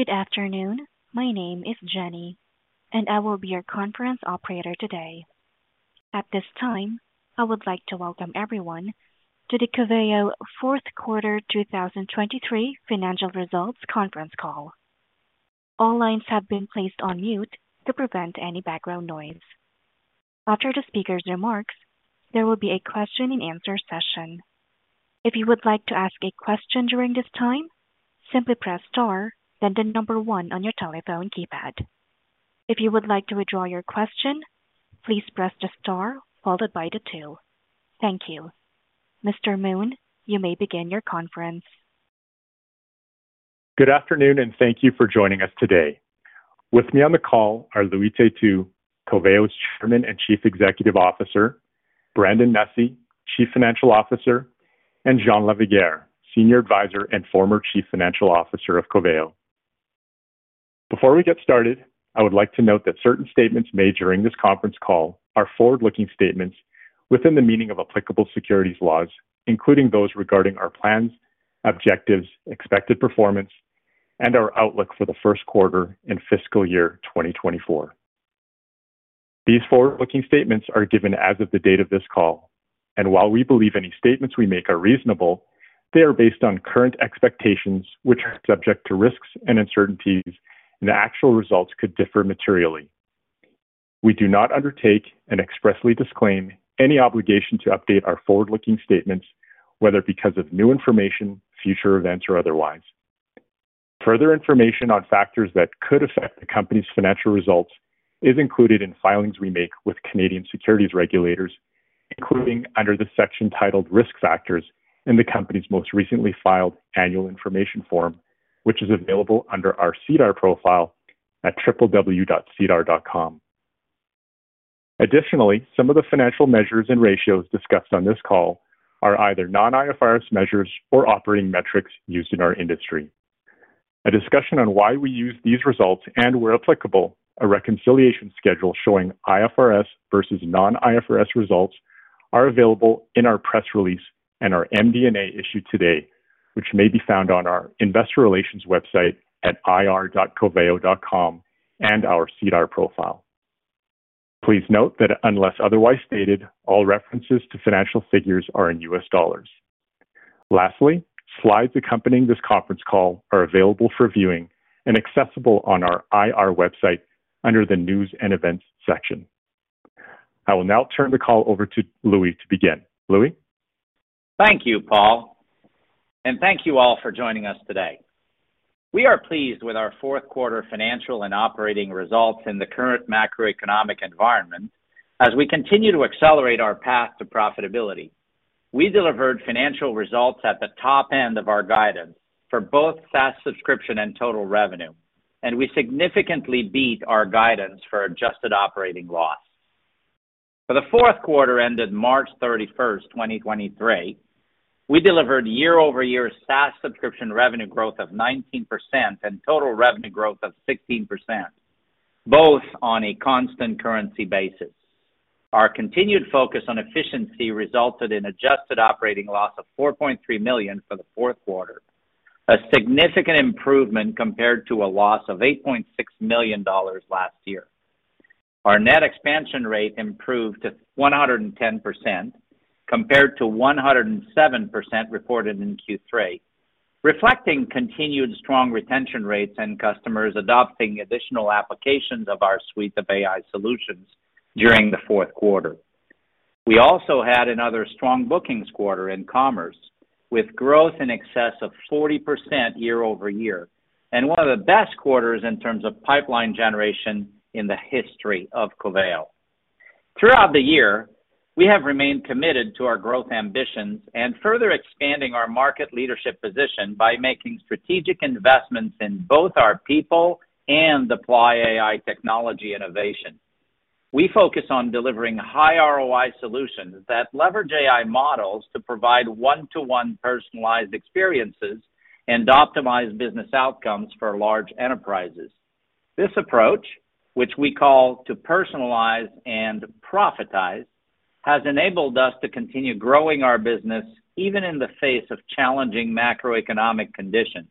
Good afternoon. My name is Jenny, and I will be your conference operator today. At this time, I would like to welcome everyone to the Coveo Fourth Quarter 2023 Financial Results Conference Call. All lines have been placed on mute to prevent any background noise. After the speaker's remarks, there will be a question-and-answer session. If you would like to ask a question during this time, simply press star, then the 1 on your telephone keypad. If you would like to withdraw your question, please press the star followed by the 2. Thank you. Mr. Moon, you may begin your conference. Good afternoon. Thank you for joining us today. With me on the call are Louis Têtu, Coveo's Chairman and Chief Executive Officer, Brandon Nussey, Chief Financial Officer, and Jean Lavigueur, Senior Advisor and former Chief Financial Officer of Coveo. Before we get started, I would like to note that certain statements made during this conference call are forward-looking statements within the meaning of applicable securities laws, including those regarding our plans, objectives, expected performance, and our outlook for the first quarter in fiscal year 2024. These forward-looking statements are given as of the date of this call, and while we believe any statements we make are reasonable, they are based on current expectations, which are subject to risks and uncertainties, and the actual results could differ materially. We do not undertake and expressly disclaim any obligation to update our forward-looking statements, whether because of new information, future events, or otherwise. Further information on factors that could affect the company's financial results is included in filings we make with Canadian securities regulators, including under the section titled Risk Factors in the company's most recently filed annual information form, which is available under our SEDAR profile at www.sedar.com. Additionally, some of the financial measures and ratios discussed on this call are either non-IFRS measures or operating metrics used in our industry. A discussion on why we use these results and, where applicable, a reconciliation schedule showing IFRS versus non-IFRS results are available in our press release and our MD&A issue today, which may be found on our investor relations website at ir.coveo.com and our SEDAR profile. Please note that unless otherwise stated, all references to financial figures are in US dollars. Lastly, slides accompanying this conference call are available for viewing and accessible on our IR website under the News and Events section. I will now turn the call over to Louis to begin. Louis? Thank you, Paul. Thank you all for joining us today. We are pleased with our fourth quarter financial and operating results in the current macroeconomic environment as we continue to accelerate our path to profitability. We delivered financial results at the top end of our guidance for both SaaS subscription and total revenue, and we significantly beat our guidance for adjusted operating loss. For the fourth quarter ended March 31st, 2023, we delivered year-over-year SaaS subscription revenue growth of 19% and total revenue growth of 16%, both on a constant currency basis. Our continued focus on efficiency resulted in adjusted operating loss of $4.3 million for the fourth quarter, a significant improvement compared to a loss of $8.6 million last year. Our net expansion rate improved to 110%, compared to 107% reported in Q3, reflecting continued strong retention rates and customers adopting additional applications of our suite of AI solutions during the fourth quarter. We also had another strong bookings quarter in commerce, with growth in excess of 40% year-over-year, and one of the best quarters in terms of pipeline generation in the history of Coveo. Throughout the year, we have remained committed to our growth ambitions and further expanding our market leadership position by making strategic investments in both our people and apply AI technology innovation. We focus on delivering high ROI solutions that leverage AI models to provide one-to-one personalized experiences and optimize business outcomes for large enterprises. This approach, which we call To Personalize and Profitize, has enabled us to continue growing our business, even in the face of challenging macroeconomic conditions.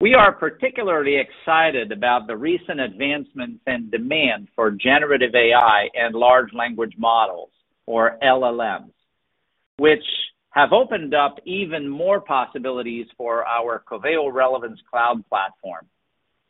We are particularly excited about the recent advancements and demand for generative AI and large language models, or LLMs, which have opened up even more possibilities for our Coveo Relevance Cloud platform.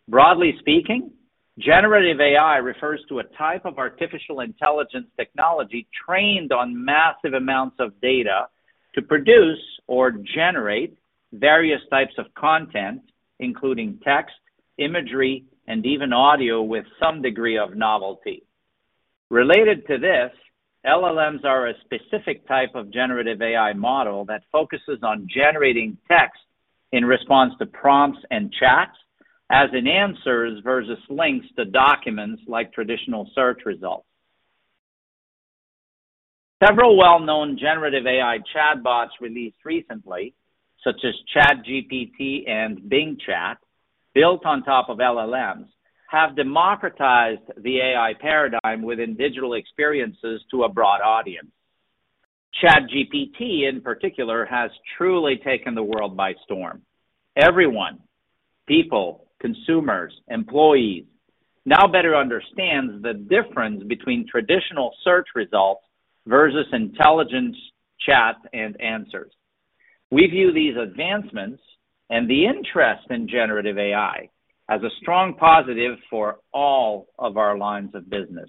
Broadly speaking, generative AI refers to a type of artificial intelligence technology trained on massive amounts of data to produce or generate various types of content, including text, imagery, and even audio, with some degree of novelty. Related to this, LLMs are a specific type of generative AI model that focuses on generating text in response to prompts and chats, as in answers versus links to documents like traditional search results. Several well-known generative AI chatbots released recently, such as ChatGPT and Bing Chat, built on top of LLMs, have democratized the AI paradigm within digital experiences to a broad audience. ChatGPT in particular, has truly taken the world by storm. Everyone, people, consumers, employees, now better understands the difference between traditional search results versus intelligence, chat, and answers. We view these advancements and the interest in generative AI as a strong positive for all of our lines of business.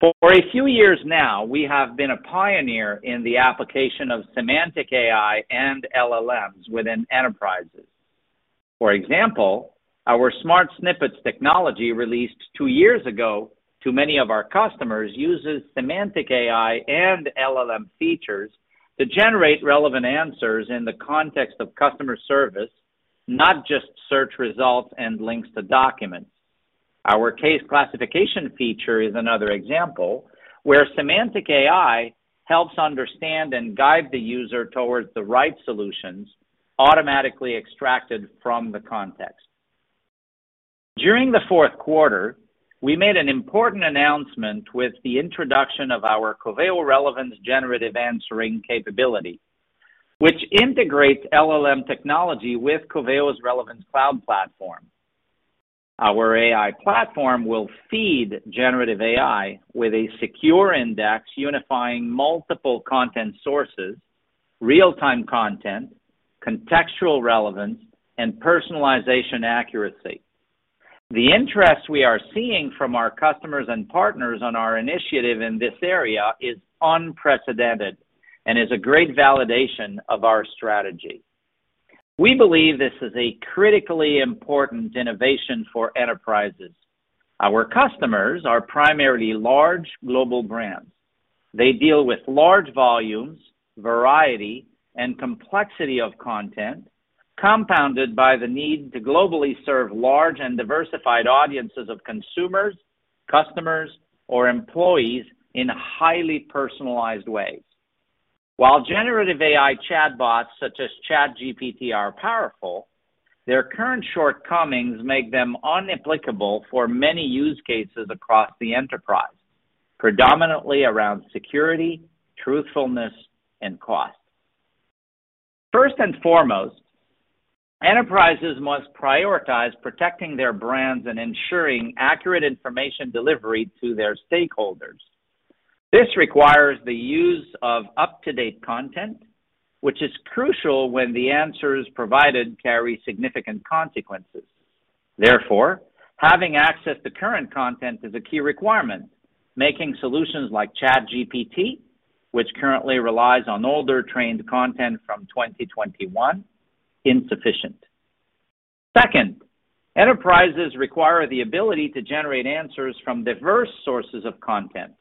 For a few years now, we have been a pioneer in the application of semantic AI and LLMs within enterprises. For example, our Smart Snippets technology, released two years ago to many of our customers, uses semantic AI and LLM features to generate relevant answers in the context of customer service, not just search results and links to documents. Our case classification feature is another example, where semantic AI helps understand and guide the user towards the right solutions, automatically extracted from the context. During the fourth quarter, we made an important announcement with the introduction of our Coveo Relevance Generative Answering capability, which integrates LLM technology with Coveo's Relevance Cloud platform. Our AI platform will feed generative AI with a secure index, unifying multiple content sources, real-time content, contextual relevance, and personalization accuracy. The interest we are seeing from our customers and partners on our initiative in this area is unprecedented and is a great validation of our strategy. We believe this is a critically important innovation for enterprises. Our customers are primarily large global brands. They deal with large volumes, variety, and complexity of content, compounded by the need to globally serve large and diversified audiences of consumers, customers, or employees in highly personalized ways. While generative AI chatbots such as ChatGPT are powerful, their current shortcomings make them inapplicable for many use cases across the enterprise, predominantly around security, truthfulness, and cost. First and foremost, enterprises must prioritize protecting their brands and ensuring accurate information delivery to their stakeholders. This requires the use of up-to-date content, which is crucial when the answers provided carry significant consequences. Having access to current content is a key requirement, making solutions like ChatGPT, which currently relies on older trained content from 2021, insufficient. Second, enterprises require the ability to generate answers from diverse sources of content,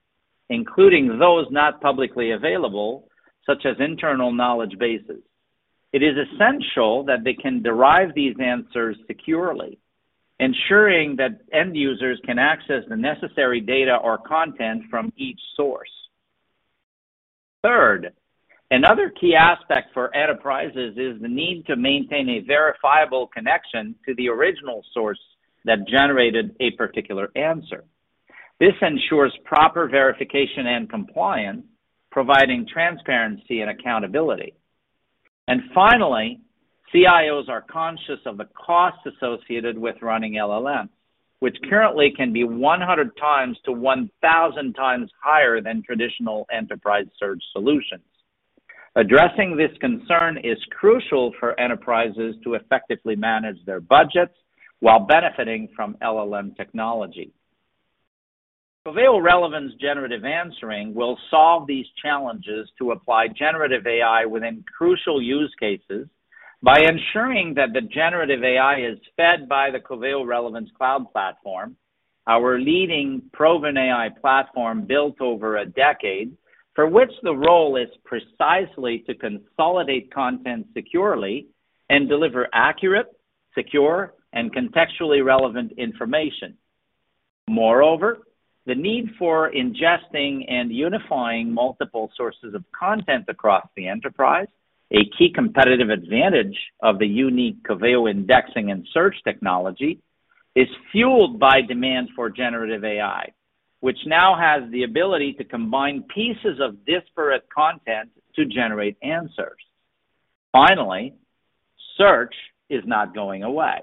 including those not publicly available, such as internal knowledge bases. It is essential that they can derive these answers securely, ensuring that end users can access the necessary data or content from each source. Third, another key aspect for enterprises is the need to maintain a verifiable connection to the original source that generated a particular answer. This ensures proper verification and compliance, providing transparency and accountability. Finally, CIOs are conscious of the cost associated with running LLM, which currently can be 100 times to 1,000 times higher than traditional enterprise search solutions. Addressing this concern is crucial for enterprises to effectively manage their budgets while benefiting from LLM technology. Coveo Relevance Generative Answering will solve these challenges to apply generative AI within crucial use cases by ensuring that the generative AI is fed by the Coveo Relevance Cloud platform, our leading proven AI platform built over a decade, for which the role is precisely to consolidate content securely and deliver accurate, secure, and contextually relevant information. The need for ingesting and unifying multiple sources of content across the enterprise, a key competitive advantage of the unique Coveo indexing and search technology, is fueled by demand for generative AI, which now has the ability to combine pieces of disparate content to generate answers. Finally, search is not going away.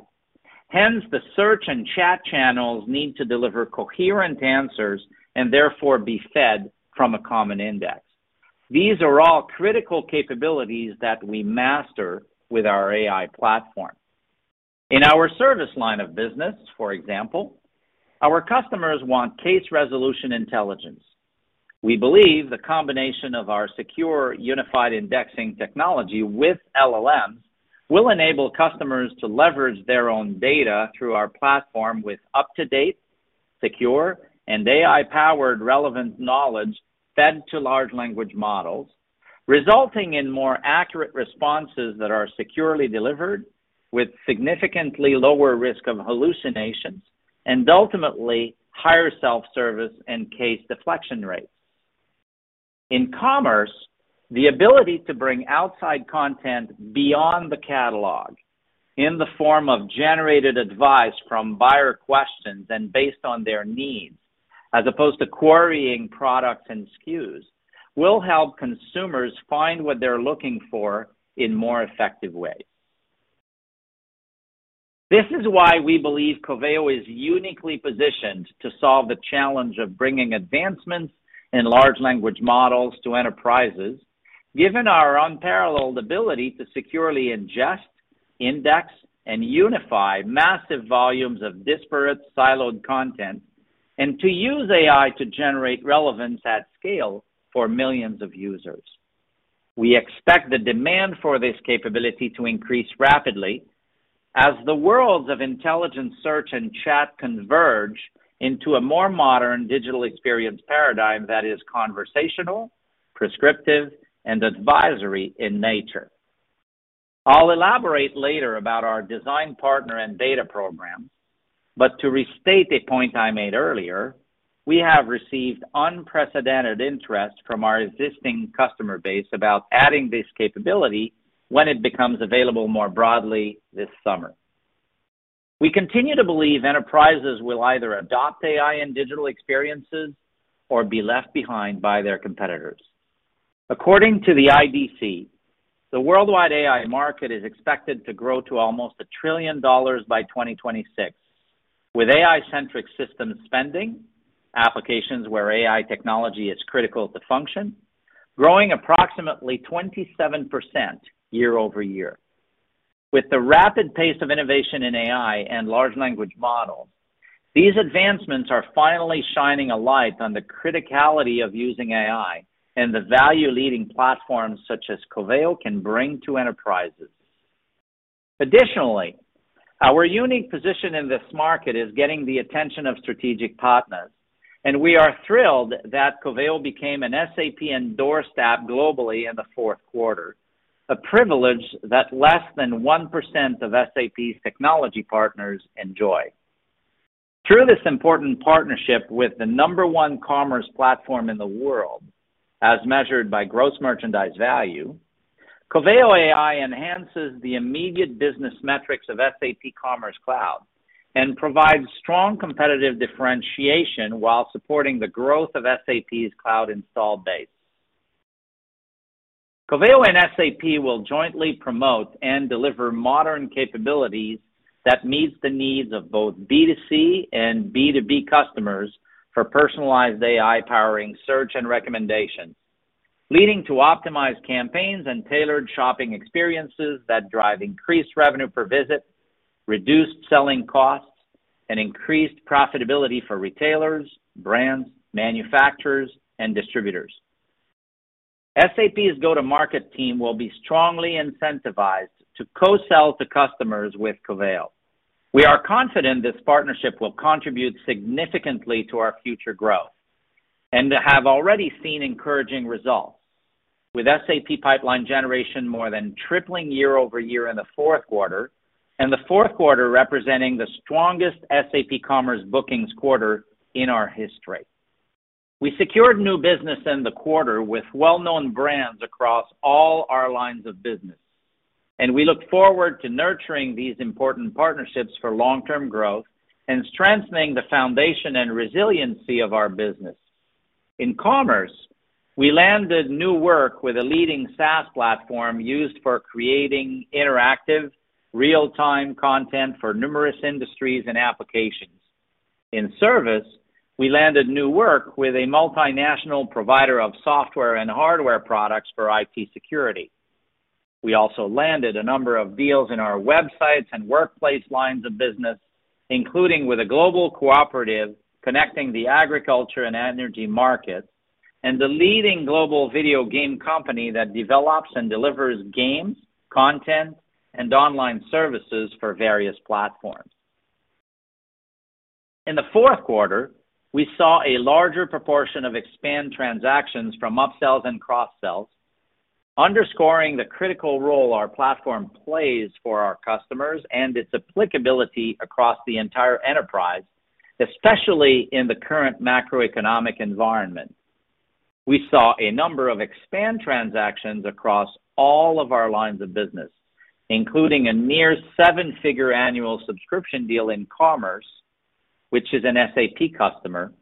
Hence, the search and chat channels need to deliver coherent answers and therefore be fed from a common index. These are all critical capabilities that we master with our AI platform. In our service line of business, for example, our customers want case resolution intelligence. We believe the combination of our secure, unified indexing technology with LLMs will enable customers to leverage their own data through our platform with up-to-date, secure, and AI-powered relevant knowledge fed to large language models, resulting in more accurate responses that are securely delivered with significantly lower risk of hallucinations, ultimately, higher self-service and case deflection rates. The ability to bring outside content beyond the catalog, in the form of generated advice from buyer questions and based on their needs, as opposed to querying products and SKUs, will help consumers find what they're looking for in more effective ways. This is why we believe Coveo is uniquely positioned to solve the challenge of bringing advancements in large language models to enterprises, given our unparalleled ability to securely ingest, index, and unify massive volumes of disparate, siloed content, and to use AI to generate relevance at scale for millions of users. We expect the demand for this capability to increase rapidly as the worlds of intelligent search and chat converge into a more modern digital experience paradigm that is conversational, prescriptive, and advisory in nature. I'll elaborate later about our design partner and data program, but to restate a point I made earlier, we have received unprecedented interest from our existing customer base about adding this capability when it becomes available more broadly this summer. We continue to believe enterprises will either adopt AI in digital experiences or be left behind by their competitors. According to the IDC, the worldwide AI market is expected to grow to almost $1 trillion by 2026, with AI-centric system spending, applications where AI technology is critical to function, growing approximately 27% year-over-year. With the rapid pace of innovation in AI and large language models, these advancements are finally shining a light on the criticality of using AI and the value-leading platforms such as Coveo can bring to enterprises. Our unique position in this market is getting the attention of strategic partners, and we are thrilled that Coveo became an SAP endorsed app globally in the fourth quarter, a privilege that less than 1% of SAP's technology partners enjoy. Through this important partnership with the number one commerce platform in the world, as measured by gross merchandise value, Coveo AI enhances the immediate business metrics of SAP Commerce Cloud and provides strong competitive differentiation while supporting the growth of SAP's cloud installed base. Coveo and SAP will jointly promote and deliver modern capabilities that meets the needs of both B2C and B2B customers for personalized AI powering search and recommendations, leading to optimized campaigns and tailored shopping experiences that drive increased revenue per visit, reduced selling costs, and increased profitability for retailers, brands, manufacturers, and distributors. SAP's go-to-market team will be strongly incentivized to co-sell to customers with Coveo. We are confident this partnership will contribute significantly to our future growth and have already seen encouraging results, with SAP pipeline generation more than tripling year-over-year in the fourth quarter, and the fourth quarter representing the strongest SAP commerce bookings quarter in our history. We secured new business in the quarter with well-known brands across all our lines of business, and we look forward to nurturing these important partnerships for long-term growth and strengthening the foundation and resiliency of our business. In commerce, we landed new work with a leading SaaS platform used for creating interactive, real-time content for numerous industries and applications. In service, we landed new work with a multinational provider of software and hardware products for IT security. We also landed a number of deals in our websites and workplace lines of business, including with a global cooperative connecting the agriculture and energy markets and the leading global video game company that develops and delivers games, content, and online services for various platforms. In the fourth quarter, we saw a larger proportion of expand transactions from upsells and cross-sells, underscoring the critical role our platform plays for our customers and its applicability across the entire enterprise, especially in the current macroeconomic environment. We saw a number of expand transactions across all of our lines of business, including a near seven-figure annual subscription deal in commerce, which is an SAP customer,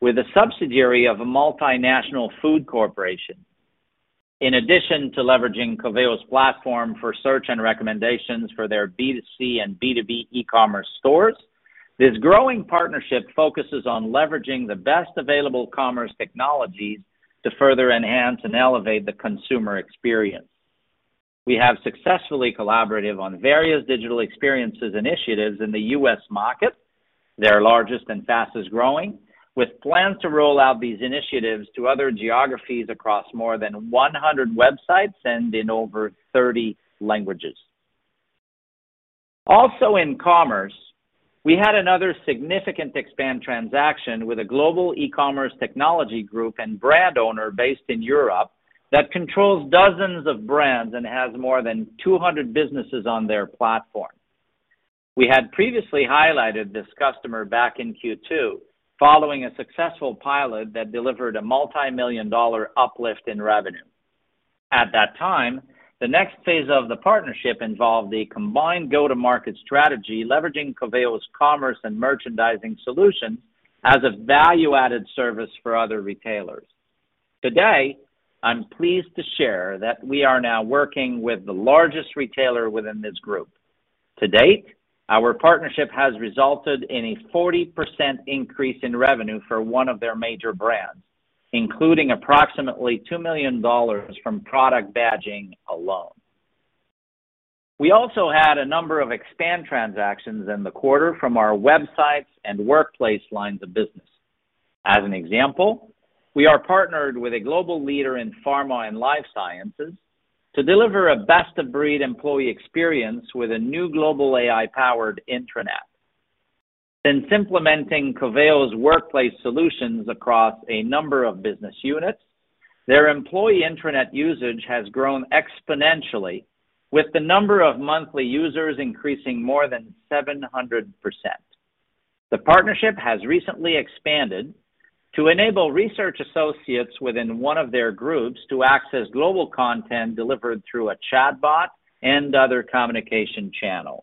with a subsidiary of a multinational food corporation. In addition to leveraging Coveo's platform for search and recommendations for their B2C and B2B e-commerce stores, this growing partnership focuses on leveraging the best available commerce technologies to further enhance and elevate the consumer experience. We have successfully collaborated on various digital experiences initiatives in the U.S. market, their largest and fastest-growing, with plans to roll out these initiatives to other geographies across more than 100 websites and in over 30 languages. Also in commerce, we had another significant expand transaction with a global e-commerce technology group and brand owner based in Europe that controls dozens of brands and has more than 200 businesses on their platform. We had previously highlighted this customer back in Q2, following a successful pilot that delivered a multimillion-dollar uplift in revenue. At that time, the next phase of the partnership involved a combined go-to-market strategy, leveraging Coveo's commerce and merchandising solution as a value-added service for other retailers. Today, I'm pleased to share that we are now working with the largest retailer within this group. To date, our partnership has resulted in a 40% increase in revenue for one of their major brands, including approximately $2 million from product badging alone. We also had a number of expand transactions in the quarter from our websites and workplace lines of business. As an example, we are partnered with a global leader in pharma and life sciences to deliver a best-of-breed employee experience with a new global AI-powered intranet. Since implementing Coveo's workplace solutions across a number of business units, their employee intranet usage has grown exponentially, with the number of monthly users increasing more than 700%. The partnership has recently expanded to enable research associates within one of their groups to access global content delivered through a chatbot and other communication channels.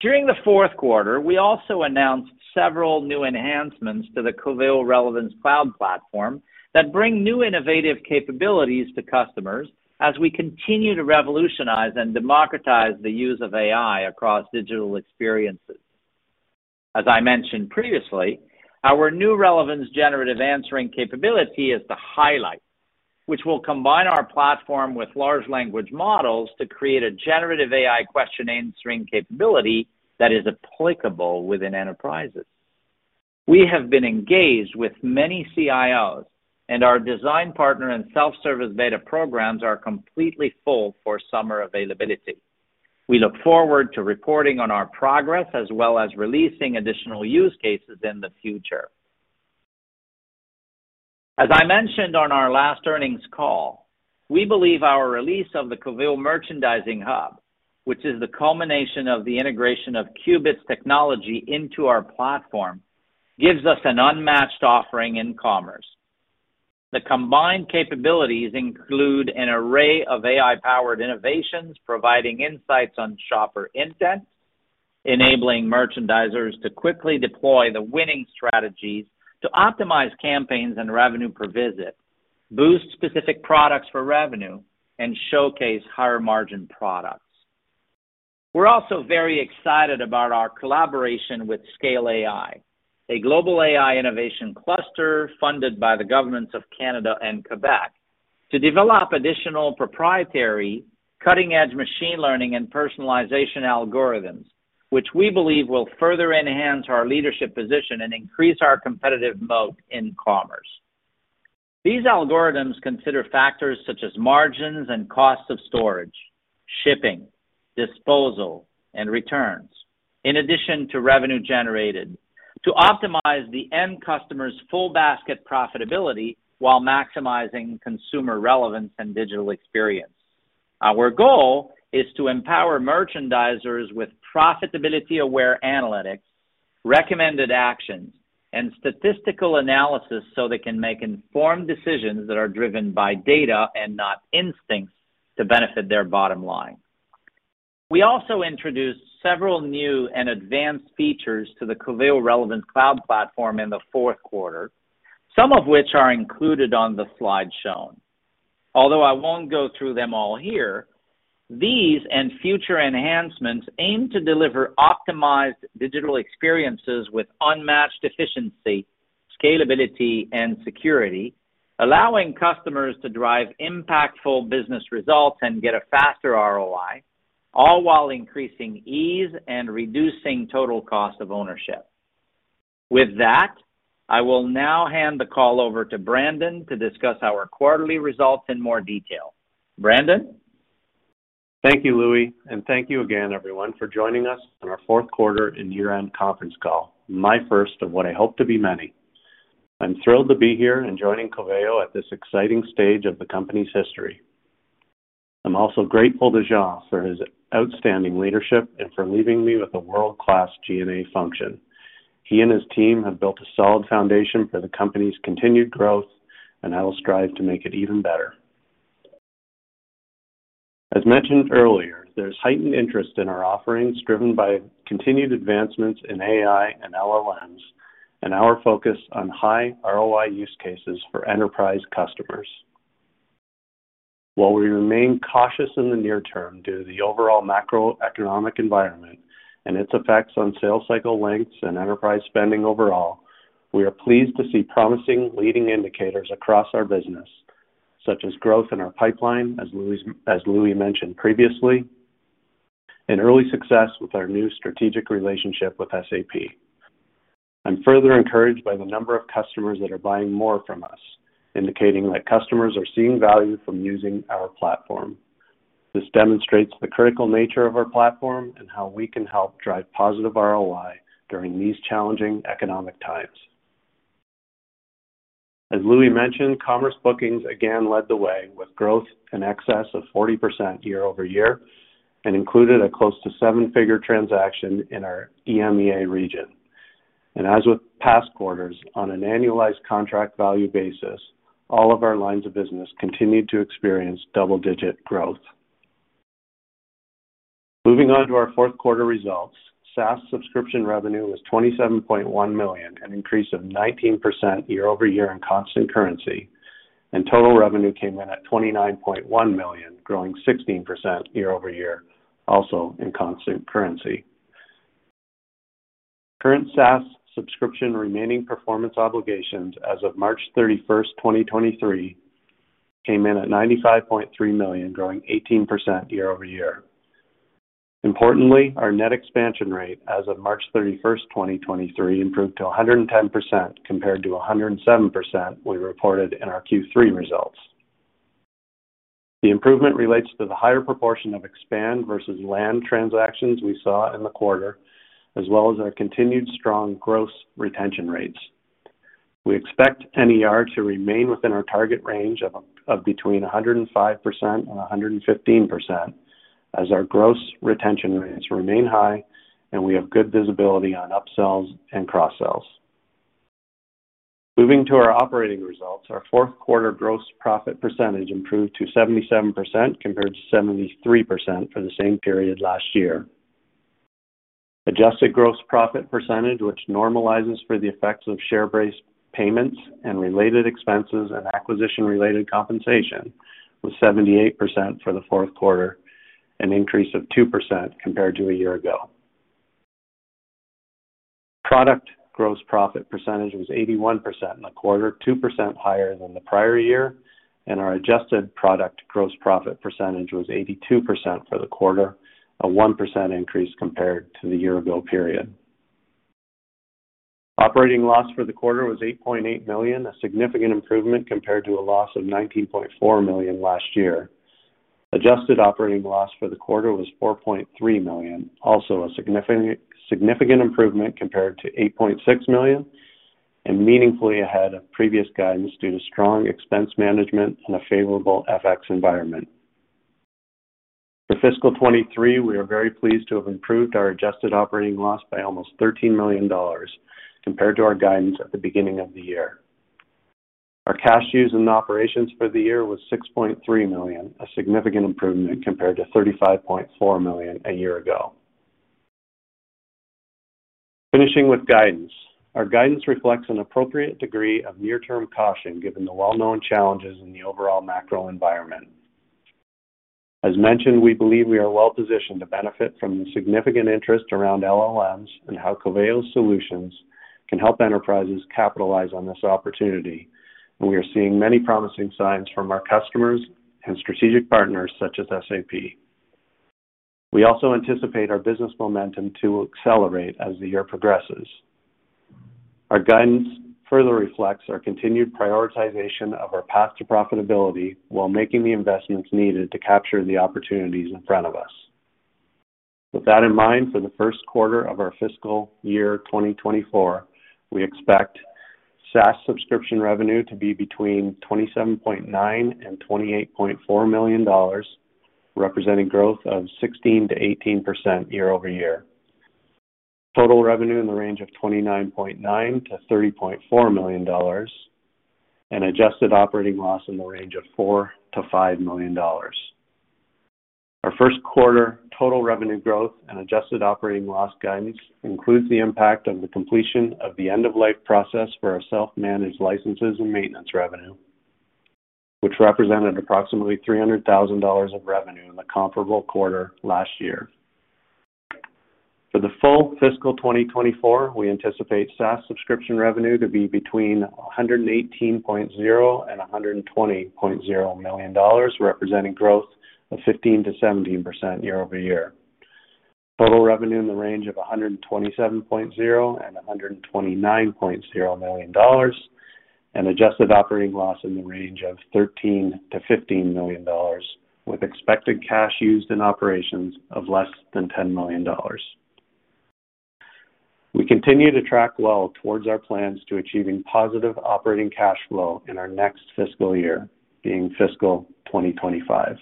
During the fourth quarter, we also announced several new enhancements to the Coveo Relevance Cloud platform that bring new innovative capabilities to customers as we continue to revolutionize and democratize the use of AI across digital experiences. As I mentioned previously, our new Relevance Generative Answering capability is the highlight, which will combine our platform with large language models to create a generative AI question-answering capability that is applicable within enterprises. Our design partner and self-service beta programs are completely full for summer availability. We look forward to reporting on our progress, as well as releasing additional use cases in the future. As I mentioned on our last earnings call, we believe our release of the Coveo Merchandising Hub, which is the culmination of the integration of Qubit technology into our platform, gives us an unmatched offering in commerce. The combined capabilities include an array of AI-powered innovations, providing insights on shopper intent, enabling merchandisers to quickly deploy the winning strategies to optimize campaigns and revenue per visit, boost specific products for revenue, and showcase higher-margin products. We're also very excited about our collaboration with SCALE AI, a global AI innovation cluster funded by the governments of Canada and Quebec, to develop additional proprietary, cutting-edge machine learning and personalization algorithms, which we believe will further enhance our leadership position and increase our competitive moat in commerce. These algorithms consider factors such as margins and costs of storage, shipping, disposal, and returns, in addition to revenue generated, to optimize the end customer's full-basket profitability while maximizing consumer relevance and digital experience. Our goal is to empower merchandisers with profitability-aware analytics, recommended actions, and statistical analysis, so they can make informed decisions that are driven by data and not instincts to benefit their bottom line. We also introduced several new and advanced features to the Coveo Relevance Cloud Platform in the fourth quarter, some of which are included on the slide shown. Although I won't go through them all here, these and future enhancements aim to deliver optimized digital experiences with unmatched efficiency, scalability, and security, allowing customers to drive impactful business results and get a faster ROI, all while increasing ease and reducing total cost of ownership. With that, I will now hand the call over to Brandon to discuss our quarterly results in more detail. Brandon? Thank you, Louis, and thank you again everyone for joining us on our fourth quarter and year-end conference call, my first of what I hope to be many. I'm thrilled to be here and joining Coveo at this exciting stage of the company's history. I'm also grateful to Jean for his outstanding leadership and for leaving me with a world-class G&A function. He and his team have built a solid foundation for the company's continued growth, and I will strive to make it even better. As mentioned earlier, there's heightened interest in our offerings, driven by continued advancements in AI and LLMs and our focus on high ROI use cases for enterprise customers. While we remain cautious in the near term due to the overall macroeconomic environment and its effects on sales cycle lengths and enterprise spending overall, we are pleased to see promising leading indicators across our business, such as growth in our pipeline, as Louis mentioned previously, and early success with our new strategic relationship with SAP. I'm further encouraged by the number of customers that are buying more from us, indicating that customers are seeing value from using our platform. This demonstrates the critical nature of our platform and how we can help drive positive ROI during these challenging economic times. As Louis mentioned, commerce bookings again led the way, with growth in excess of 40% year-over-year, and included a close to 7-figure transaction in our EMEA region. As with past quarters, on an annualized contract value basis, all of our lines of business continued to experience double-digit growth. Moving on to our fourth quarter results, SaaS subscription revenue was $27.1 million, an increase of 19% year-over-year in constant currency, and total revenue came in at $29.1 million, growing 16% year-over-year, also in constant currency. Current SaaS subscription remaining performance obligations as of March 31, 2023, came in at $95.3 million, growing 18% year-over-year. Importantly, our net expansion rate as of March 31st, 2023, improved to 110%, compared to 107% we reported in our Q3 results. The improvement relates to the higher proportion of expand versus land transactions we saw in the quarter, as well as our continued strong gross retention rates. We expect NER to remain within our target range of between 105% and 115%, as our gross retention rates remain high, and we have good visibility on upsells and cross-sells. Moving to our operating results, our fourth quarter gross profit percentage improved to 77%, compared to 73% for the same period last year. Adjusted gross profit percentage, which normalizes for the effects of share-based payments and related expenses and acquisition-related compensation, was 78% for the fourth quarter, an increase of 2% compared to a year ago. Product gross profit percentage was 81% in the quarter, 2% higher than the prior year, and our adjusted product gross profit percentage was 82% for the quarter, a 1% increase compared to the year-ago period. Operating loss for the quarter was $8.8 million, a significant improvement compared to a loss of $19.4 million last year. Adjusted operating loss for the quarter was $4.3 million, also a significant improvement compared to $8.6 million, and meaningfully ahead of previous guidance due to strong expense management and a favorable FX environment. For fiscal 2023, we are very pleased to have improved our adjusted operating loss by almost $13 million compared to our guidance at the beginning of the year. Our cash used in operations for the year was $6.3 million, a significant improvement compared to $35.4 million a year ago. Finishing with guidance. Our guidance reflects an appropriate degree of near-term caution, given the well-known challenges in the overall macro environment. As mentioned, we believe we are well positioned to benefit from the significant interest around LLMs and how Coveo's solutions can help enterprises capitalize on this opportunity. We are seeing many promising signs from our customers and strategic partners such as SAP. We also anticipate our business momentum to accelerate as the year progresses. Our guidance further reflects our continued prioritization of our path to profitability while making the investments needed to capture the opportunities in front of us. With that in mind, for the first quarter of our fiscal year 2024, we expect SaaS subscription revenue to be between $27.9 million and $28.4 million, representing growth of 16%-18% year-over-year. Total revenue in the range of $29.9 million-$30.4 million, and adjusted operating loss in the range of $4 million-$5 million. Our first quarter total revenue growth and adjusted operating loss guidance includes the impact of the completion of the end-of-life process for our self-managed licenses and maintenance revenue, which represented approximately $300,000 of revenue in the comparable quarter last year. For the full fiscal 2024, we anticipate SaaS subscription revenue to be between $118.0 million and $120.0 million, representing growth of 15%-17% year-over-year. Total revenue in the range of $127.0 million and $129.0 million, and adjusted operating loss in the range of $13 million-$15 million, with expected cash used in operations of less than $10 million. We continue to track well towards our plans to achieving positive operating cash flow in our next fiscal year, being fiscal 2025.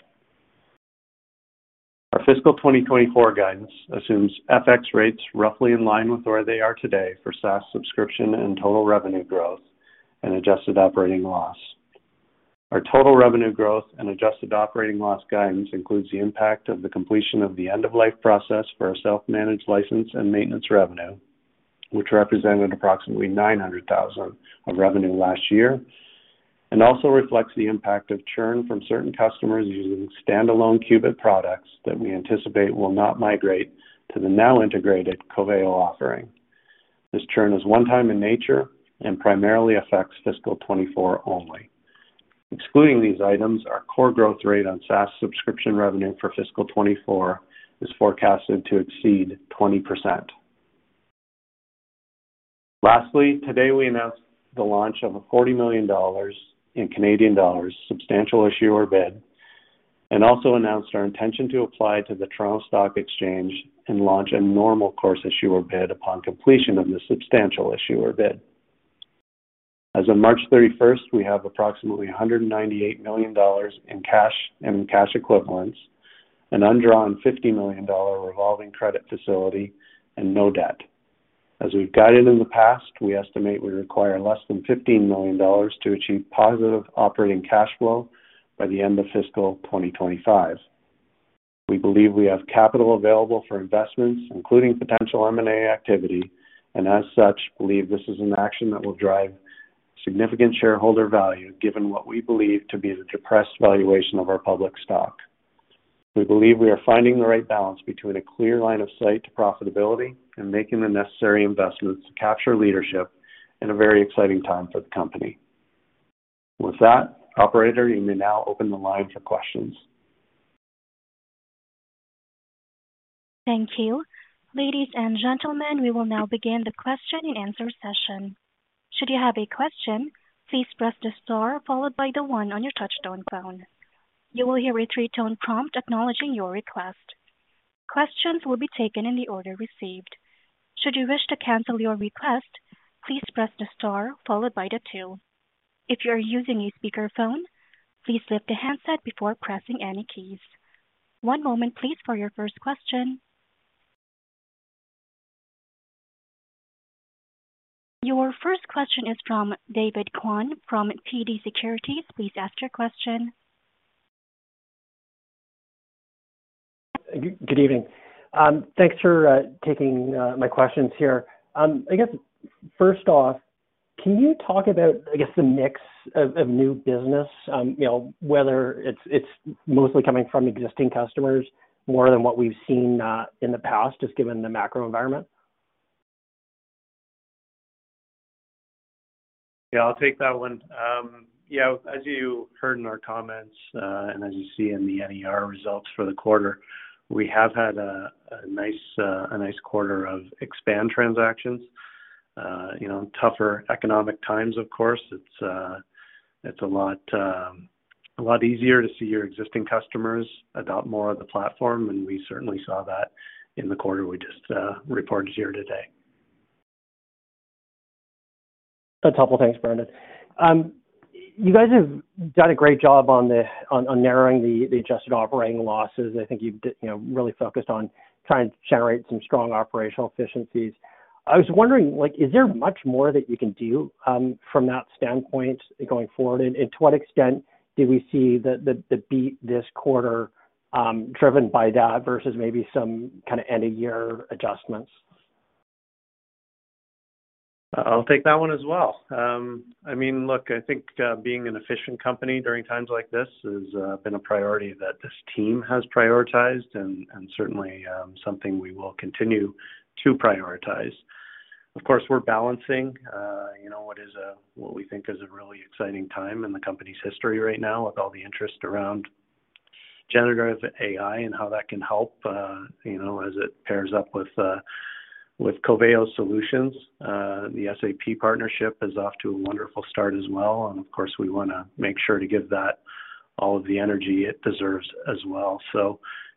Our fiscal 2024 guidance assumes FX rates roughly in line with where they are today for SaaS subscription and total revenue growth and adjusted operating loss. Our total revenue growth and adjusted operating loss guidance includes the impact of the completion of the end-of-life process for our self-managed license and maintenance revenue, which represented approximately $900,000 of revenue last year, and also reflects the impact of churn from certain customers using standalone Qubit products that we anticipate will not migrate to the now integrated Coveo offering. This churn is one time in nature and primarily affects fiscal 2024 only. Excluding these items, our core growth rate on SaaS subscription revenue for fiscal 2024 is forecasted to exceed 20%. Lastly, today, we announced the launch of a 40 million dollars substantial issuer bid. Also announced our intention to apply to the Toronto Stock Exchange and launch a normal course issuer bid upon completion of the substantial issuer bid. As of March 31st, we have approximately $198 million in cash and cash equivalents, an undrawn $50 million revolving credit facility, and no debt. As we've guided in the past, we estimate we require less than $15 million to achieve positive operating cash flow by the end of fiscal 2025. We believe we have capital available for investments, including potential M&A activity, and as such, believe this is an action that will drive significant shareholder value, given what we believe to be the depressed valuation of our public stock. We believe we are finding the right balance between a clear line of sight to profitability and making the necessary investments to capture leadership in a very exciting time for the company. With that, operator, you may now open the line for questions. Thank you. Ladies and gentlemen, we will now begin the question and answer session. Should you have a question, please press the star followed by the one on your touchtone phone. You will hear a a three-tone prompt acknowledging your request. Questions will be taken in the order received. Should you wish to cancel your request, please press the star followed by the two. If you are using a speakerphone, please lift the handset before pressing any keys. One moment, please, for your first question. Your first question is from David Kwan from TD Securities. Please ask your question. Good evening. Thanks for taking my questions here. I guess first off, can you talk about, I guess, the mix of new business? You know, whether it's mostly coming from existing customers more than what we've seen in the past, just given the macro environment? Yeah, I'll take that one. Yeah, as you heard in our comments, and as you see in the NER results for the quarter, we have had a nice, a nice quarter of expand transactions. You know, tougher economic times, of course. It's a lot, a lot easier to see your existing customers adopt more of the platform, and we certainly saw that in the quarter we just reported here today. That's helpful. Thanks, Brandon. You guys have done a great job on narrowing the adjusted operating losses. I think you've, you know, really focused on trying to generate some strong operational efficiencies. I was wondering, like, is there much more that you can do, from that standpoint going forward? To what extent did we see the beat this quarter, driven by that versus maybe some kind of end-of-year adjustments? I'll take that one as well. I mean, look, I think, being an efficient company during times like this has been a priority that this team has prioritized and certainly something we will continue to prioritize. Of course, we're balancing, you know, what we think is a really exciting time in the company's history right now, with all the interest around generative AI and how that can help, you know, as it pairs up with Coveo Solutions. The SAP partnership is off to a wonderful start as well, and of course, we wanna make sure to give that all of the energy it deserves as well.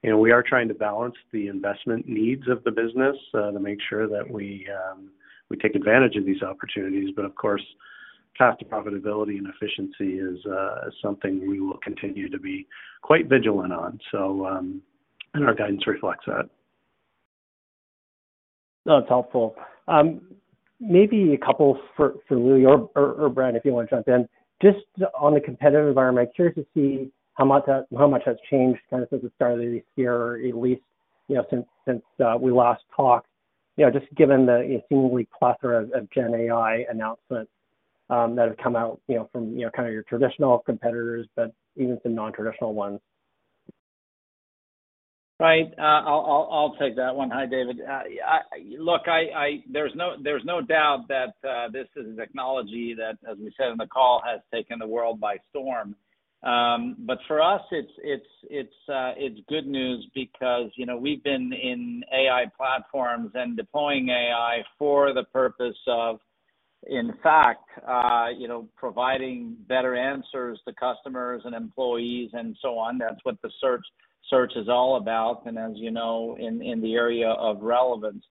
You know, we are trying to balance the investment needs of the business, to make sure that we take advantage of these opportunities. Path to profitability and efficiency is something we will continue to be quite vigilant on. Our guidance reflects that. That's helpful. Maybe a couple for Louis or Brandon, if you want to jump in. Just on the competitive environment, I'm curious to see how much has changed, kind of since the start of the year, or at least, you know, since we last talked, you know, just given the seemingly plethora of gen AI announcements that have come out, you know, from, you know, kind of your traditional competitors, but even some non-traditional ones? 'll, I'll take that one. Hi, David. Look, there's no, there's no doubt that this is a technology that, as we said on the call, has taken the world by storm. But for us, it's, it's good news because, you know, we've been in AI platforms and deploying AI for the purpose of, in fact, you know, providing better answers to customers and employees and so on. That's what the search is all about, and as you know, in the area of relevance.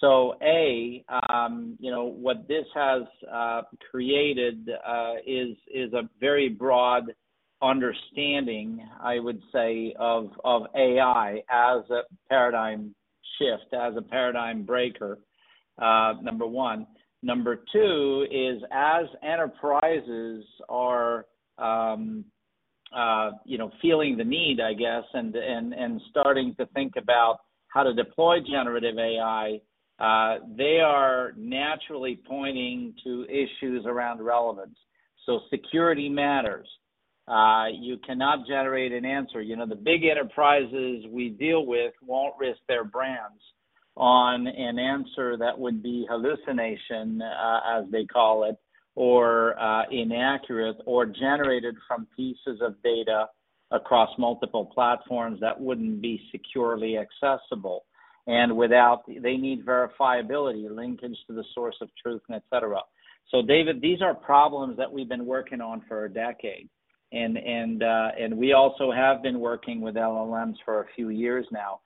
So A, you know, what this has created is a very broad understanding, I would say, of AI as a paradigm shift, as a paradigm breaker, number one. Number two is, as enterprises are, you know, feeling the need, I guess, and starting to think about how to deploy generative AI, they are naturally pointing to issues around relevance. Security matters. You cannot generate an answer. You know, the big enterprises we deal with won't risk their brands on an answer that would be hallucination, as they call it, or inaccurate, or generated from pieces of data across multiple platforms that wouldn't be securely accessible. Without, they need verifiability, linkage to the source of truth, and et cetera. David, these are problems that we've been working on for a decade, and we also have been working with LLMs for a few years now.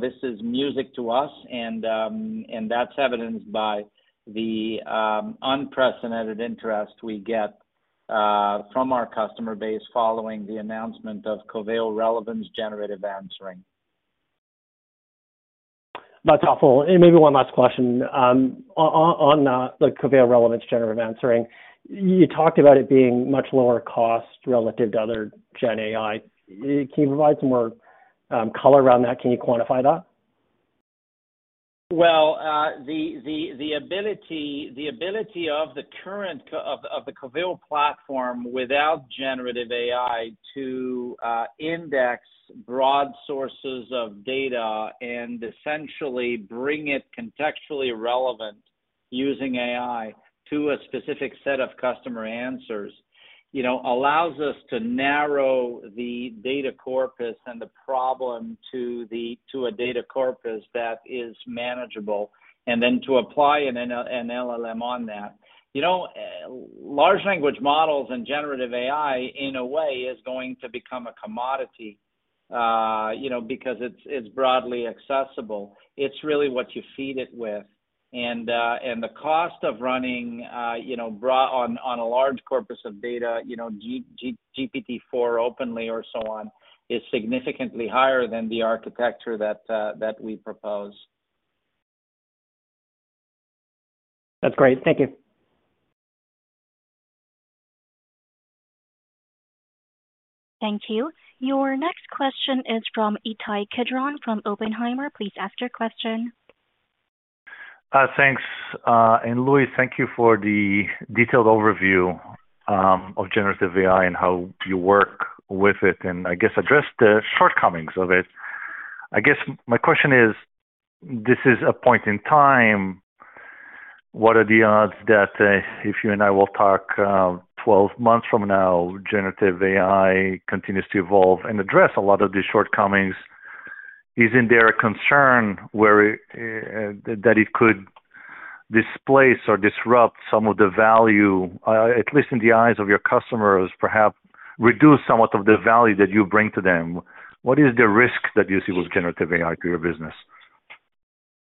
This is music to us, and that's evidenced by the unprecedented interest we get from our customer base following the announcement of Coveo Relevance Generative Answering. That's helpful. Maybe one last question. On the Coveo Relevance Generative Answering, you talked about it being much lower cost relative to other GenAI. Can you provide some more color around that? Can you quantify that? Well, the ability of the current of the Coveo platform without generative AI to index broad sources of data and essentially bring it contextually relevant using AI to a specific set of customer answers, you know, allows us to narrow the data corpus and the problem to a data corpus that is manageable, and then to apply an LLM on that. You know, large language models and generative AI, in a way, is going to become a commodity, you know, because it's broadly accessible. It's really what you feed it with. The cost of running, you know, on a large corpus of data, you know, GPT-4 openly or so on, is significantly higher than the architecture that we propose. That's great. Thank you. Thank you. Your next question is from Ittai Kidron, from Oppenheimer. Please ask your question. Thanks. Louis, thank you for the detailed overview of generative AI and how you work with it, and I guess address the shortcomings of it. I guess my question is, this is a point in time, what are the odds that if you and I will talk 12 months from now, generative AI continues to evolve and address a lot of these shortcomings, isn't there a concern where that it could displace or disrupt some of the value, at least in the eyes of your customers, perhaps reduce somewhat of the value that you bring to them? What is the risk that you see with generative AI to your business?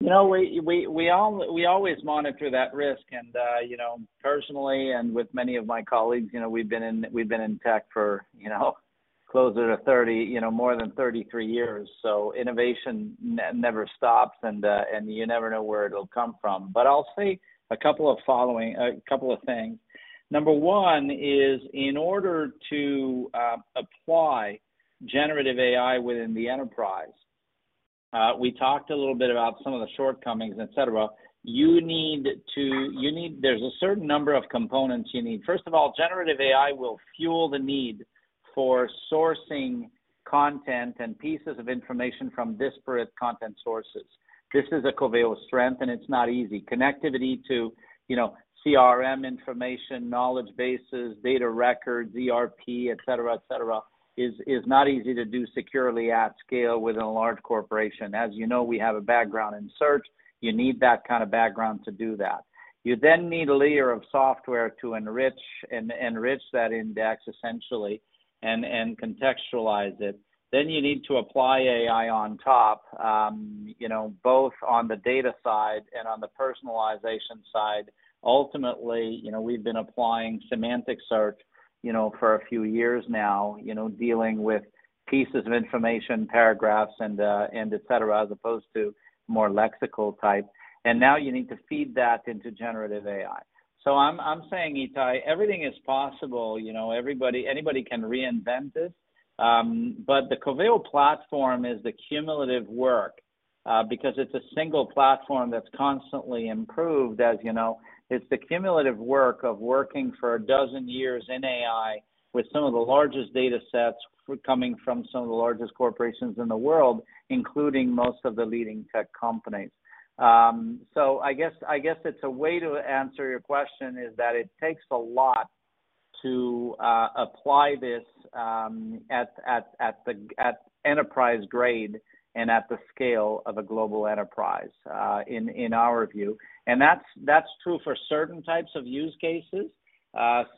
You know, we always monitor that risk. You know, personally, and with many of my colleagues, you know, we've been in tech for closer to 30, more than 33 years. Innovation never stops, and you never know where it'll come from. I'll say a couple of things. Number one is, in order to apply generative AI within the enterprise, we talked a little bit about some of the shortcomings, et cetera. There's a certain number of components you need. First of all, generative AI will fuel the need for sourcing content and pieces of information from disparate content sources. This is a Coveo strength, and it's not easy. Connectivity to, you know, CRM information, knowledge bases, data records, ERP, et cetera, et cetera, is not easy to do securely at scale within a large corporation. As you know, we have a background in search. You need that kind of background to do that. You then need a layer of software to enrich that index, essentially, and contextualize it. You need to apply AI on top, you know, both on the data side and on the personalization side. Ultimately, you know, we've been applying Semantic search, you know, for a few years now, you know, dealing with pieces of information, paragraphs and et cetera, as opposed to more lexical type. Now you need to feed that into generative AI. I'm saying, Ittai, everything is possible, you know, anybody can reinvent this. The Coveo platform is the cumulative work because it's a single platform that's constantly improved, as you know. It's the cumulative work of working for 12 years in AI with some of the largest datasets coming from some of the largest corporations in the world, including most of the leading tech companies. I guess it's a way to answer your question is that it takes a lot to apply this at enterprise grade and at the scale of a global enterprise in our view. That's true for certain types of use cases.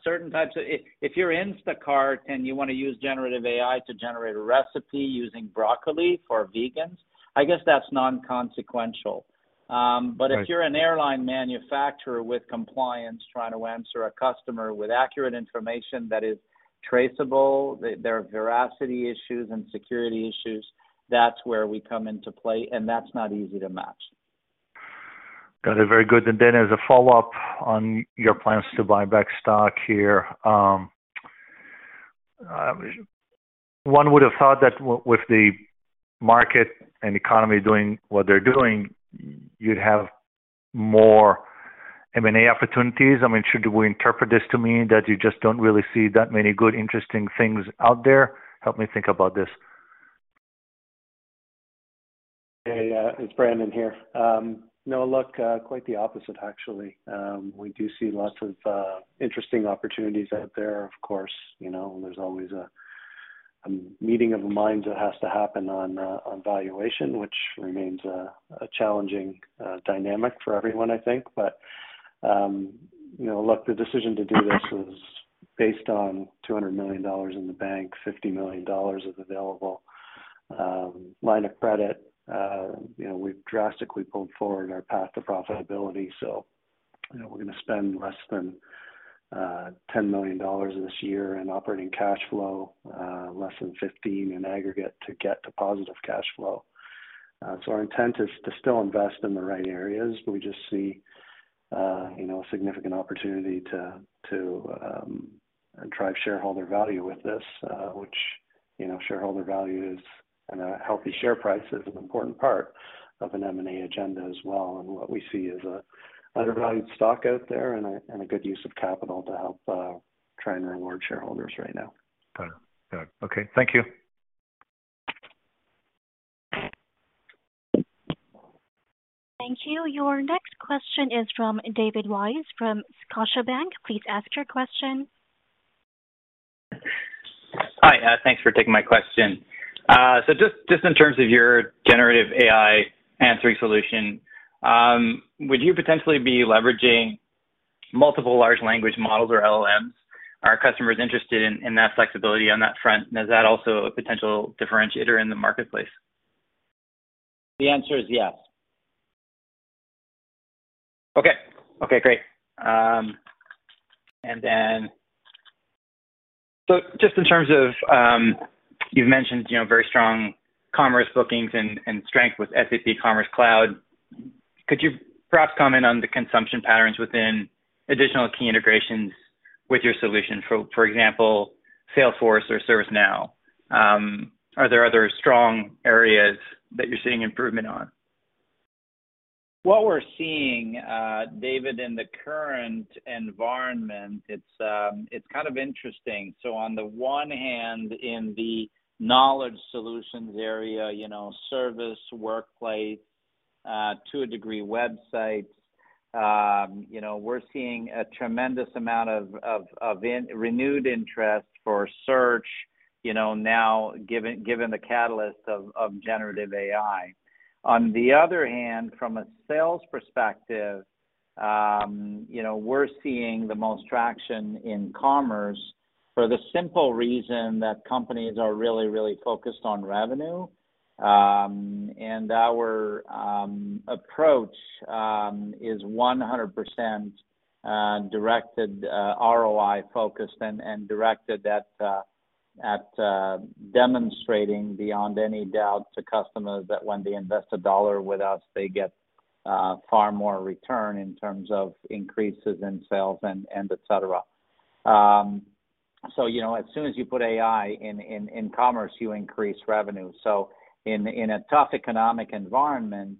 Certain types of if you're Instacart and you want to use generative AI to generate a recipe using broccoli for vegans, I guess that's non-consequential. Right. If you're an airline manufacturer with compliance, trying to answer a customer with accurate information that is traceable, there are veracity issues and security issues, that's where we come into play, and that's not easy to match. Got it. Very good. As a follow-up on your plans to buy back stock here. One would have thought that with the market and economy doing what they're doing, you'd have more M&A opportunities. I mean, should we interpret this to mean that you just don't really see that many good, interesting things out there? Help me think about this. Hey, it's Brandon here. No, look, quite the opposite, actually. We do see lots of interesting opportunities out there. Of course, you know, there's always a meeting of the minds that has to happen on valuation, which remains a challenging dynamic for everyone, I think. You know, look, the decision to do this was based on $200 million in the bank, $50 million of available line of credit. You know, we've drastically pulled forward our path to profitability. You know, we're gonna spend less than $10 million this year in operating cash flow, less than $15 million in aggregate to get to positive cash flow. Our intent is to still invest in the right areas. We just see, you know, a significant opportunity to drive shareholder value with this, which, you know, shareholder value is, and a healthy share price is an important part of an M&A agenda as well. What we see is an undervalued stock out there and a, and a good use of capital to help try and reward shareholders right now. Got it. Okay. Thank you. Thank you. Your next question is from David Weiss, from Scotiabank. Please ask your question. Hi, thanks for taking my question. Just in terms of your generative AI answering solution, would you potentially be leveraging multiple large language models or LLMs? Are customers interested in that flexibility on that front, and is that also a potential differentiator in the marketplace? The answer is yes. Okay. Okay, great. Just in terms of, you know, you've mentioned very strong commerce bookings and strength with SAP Commerce Cloud, could you perhaps comment on the consumption patterns within additional key integrations with your solution, for example, Salesforce or ServiceNow? Are there other strong areas that you're seeing improvement on? What we're seeing, David, in the current environment, it's kind of interesting. On the one hand, in the knowledge solutions area, you know, service, workplace, to a degree, websites, you know, we're seeing a tremendous amount of renewed interest for search, you know, now, given the catalyst of generative AI. On the other hand, from a sales perspective, you know, we're seeing the most traction in commerce for the simple reason that companies are really focused on revenue. And our approach is 100% directed, ROI focused and directed at demonstrating beyond any doubt to customers that when they invest a dollar with us, they get far more return in terms of increases in sales and et cetera. so, you know, as soon as you put AI in, in commerce, you increase revenue. In, in a tough economic environment,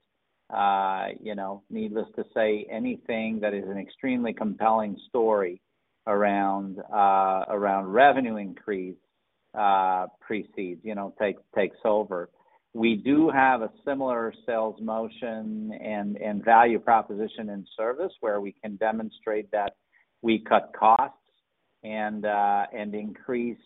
you know, needless to say, anything that is an extremely compelling story around revenue increase, precedes, you know, takes over. We do have a similar sales motion and value proposition in service, where we can demonstrate that we cut costs and increase,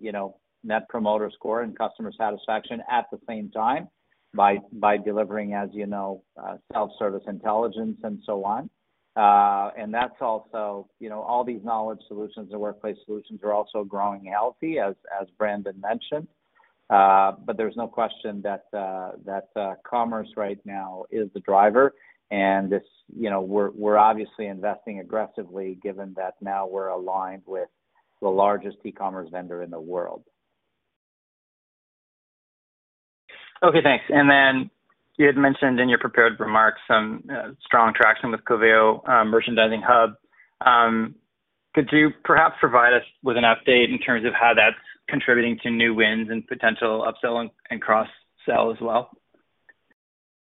you know, Net Promoter Score and customer satisfaction at the same time by delivering, as you know, self-service intelligence and so on. And that's also, you know, all these knowledge solutions or workplace solutions are also growing healthy, as Brandon mentioned. But there's no question that commerce right now is the driver. this, you know, we're obviously investing aggressively, given that now we're aligned with the largest e-commerce vendor in the world. Okay, thanks. Then you had mentioned in your prepared remarks some strong traction with Coveo Merchandising Hub. Could you perhaps provide us with an update in terms of how that's contributing to new wins and potential upsell and cross-sell as well?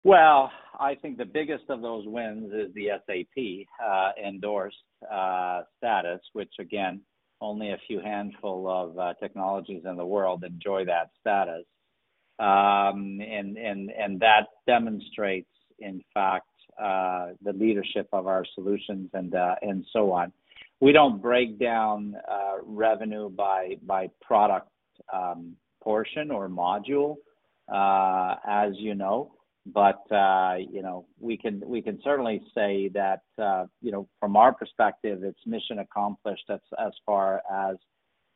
Well, I think the biggest of those wins is the SAP endorsed status, which again, only a few handful of technologies in the world enjoy that status. That demonstrates, in fact, the leadership of our solutions and so on. We don't break down revenue by product portion or module, as you know. You know, we can certainly say that, you know, from our perspective, it's mission accomplished as far as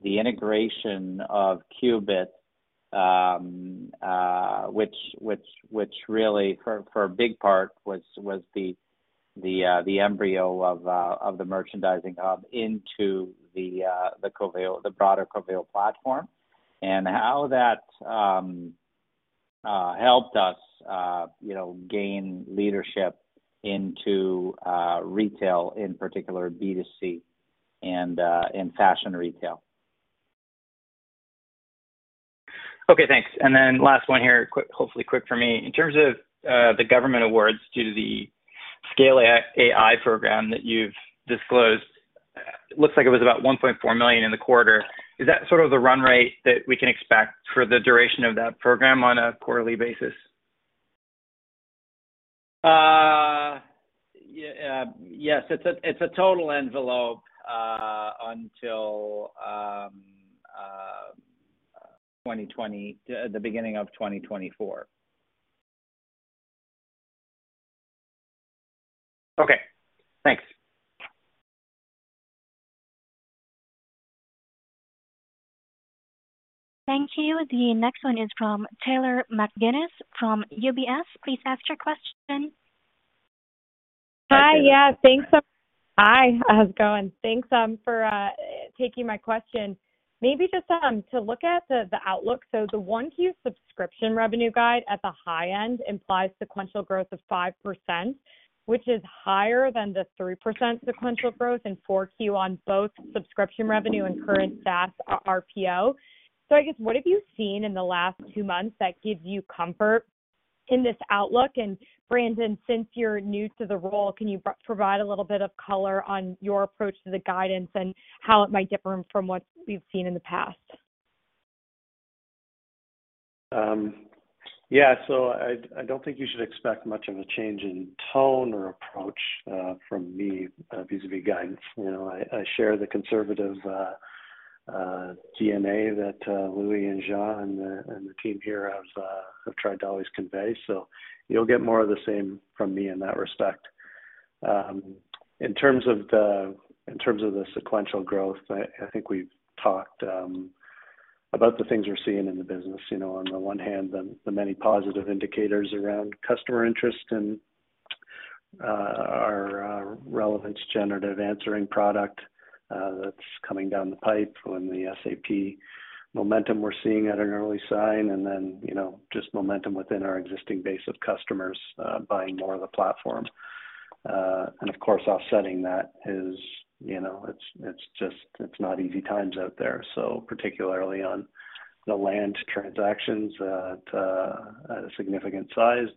the integration of Qubit, which really for a big part was the embryo of the Merchandising Hub into the broader Coveo platform, and how that helped us, you know, gain leadership into retail, in particular, B2C and fashion retail. Okay, thanks. Last one here, hopefully quick for me. In terms of the government awards due to the SCALE AI program that you've disclosed, looks like it was about $1.4 million in the quarter. Is that sort of the run rate that we can expect for the duration of that program on a quarterly basis? Yes, it's a, it's a total envelope, until the beginning of 2024. Okay, thanks. Thank you. The next one is from Taylor McGinnis from UBS. Please ask your question. Hi. Yeah, thanks. How's it going? Thanks for taking my question. Maybe just to look at the outlook. The 1Q subscription revenue guide at the high end implies sequential growth of 5%, which is higher than the 3% sequential growth in 4Q on both subscription revenue and current SaaS RPO. I guess, what have you seen in the last 2 months that gives you comfort in this outlook? Brandon, since you're new to the role, can you provide a little bit of color on your approach to the guidance and how it might differ from what we've seen in the past? Yeah, so I don't think you should expect much of a change in tone or approach from me vis-a-vis guidance. You know, I share the conservative DNA that Louis and John and the team here has have tried to always convey, so you'll get more of the same from me in that respect. In terms of the, in terms of the sequential growth, I think we've talked about the things we're seeing in the business. You know, on the one hand, the many positive indicators around customer interest and our Relevance Generative Answering product that's coming down the pipe, and the SAP momentum we're seeing at an early sign, and then, you know, just momentum within our existing base of customers buying more of the platform. Of course, offsetting that is, you know, it's not easy times out there. Particularly on the land transactions, at a significant size,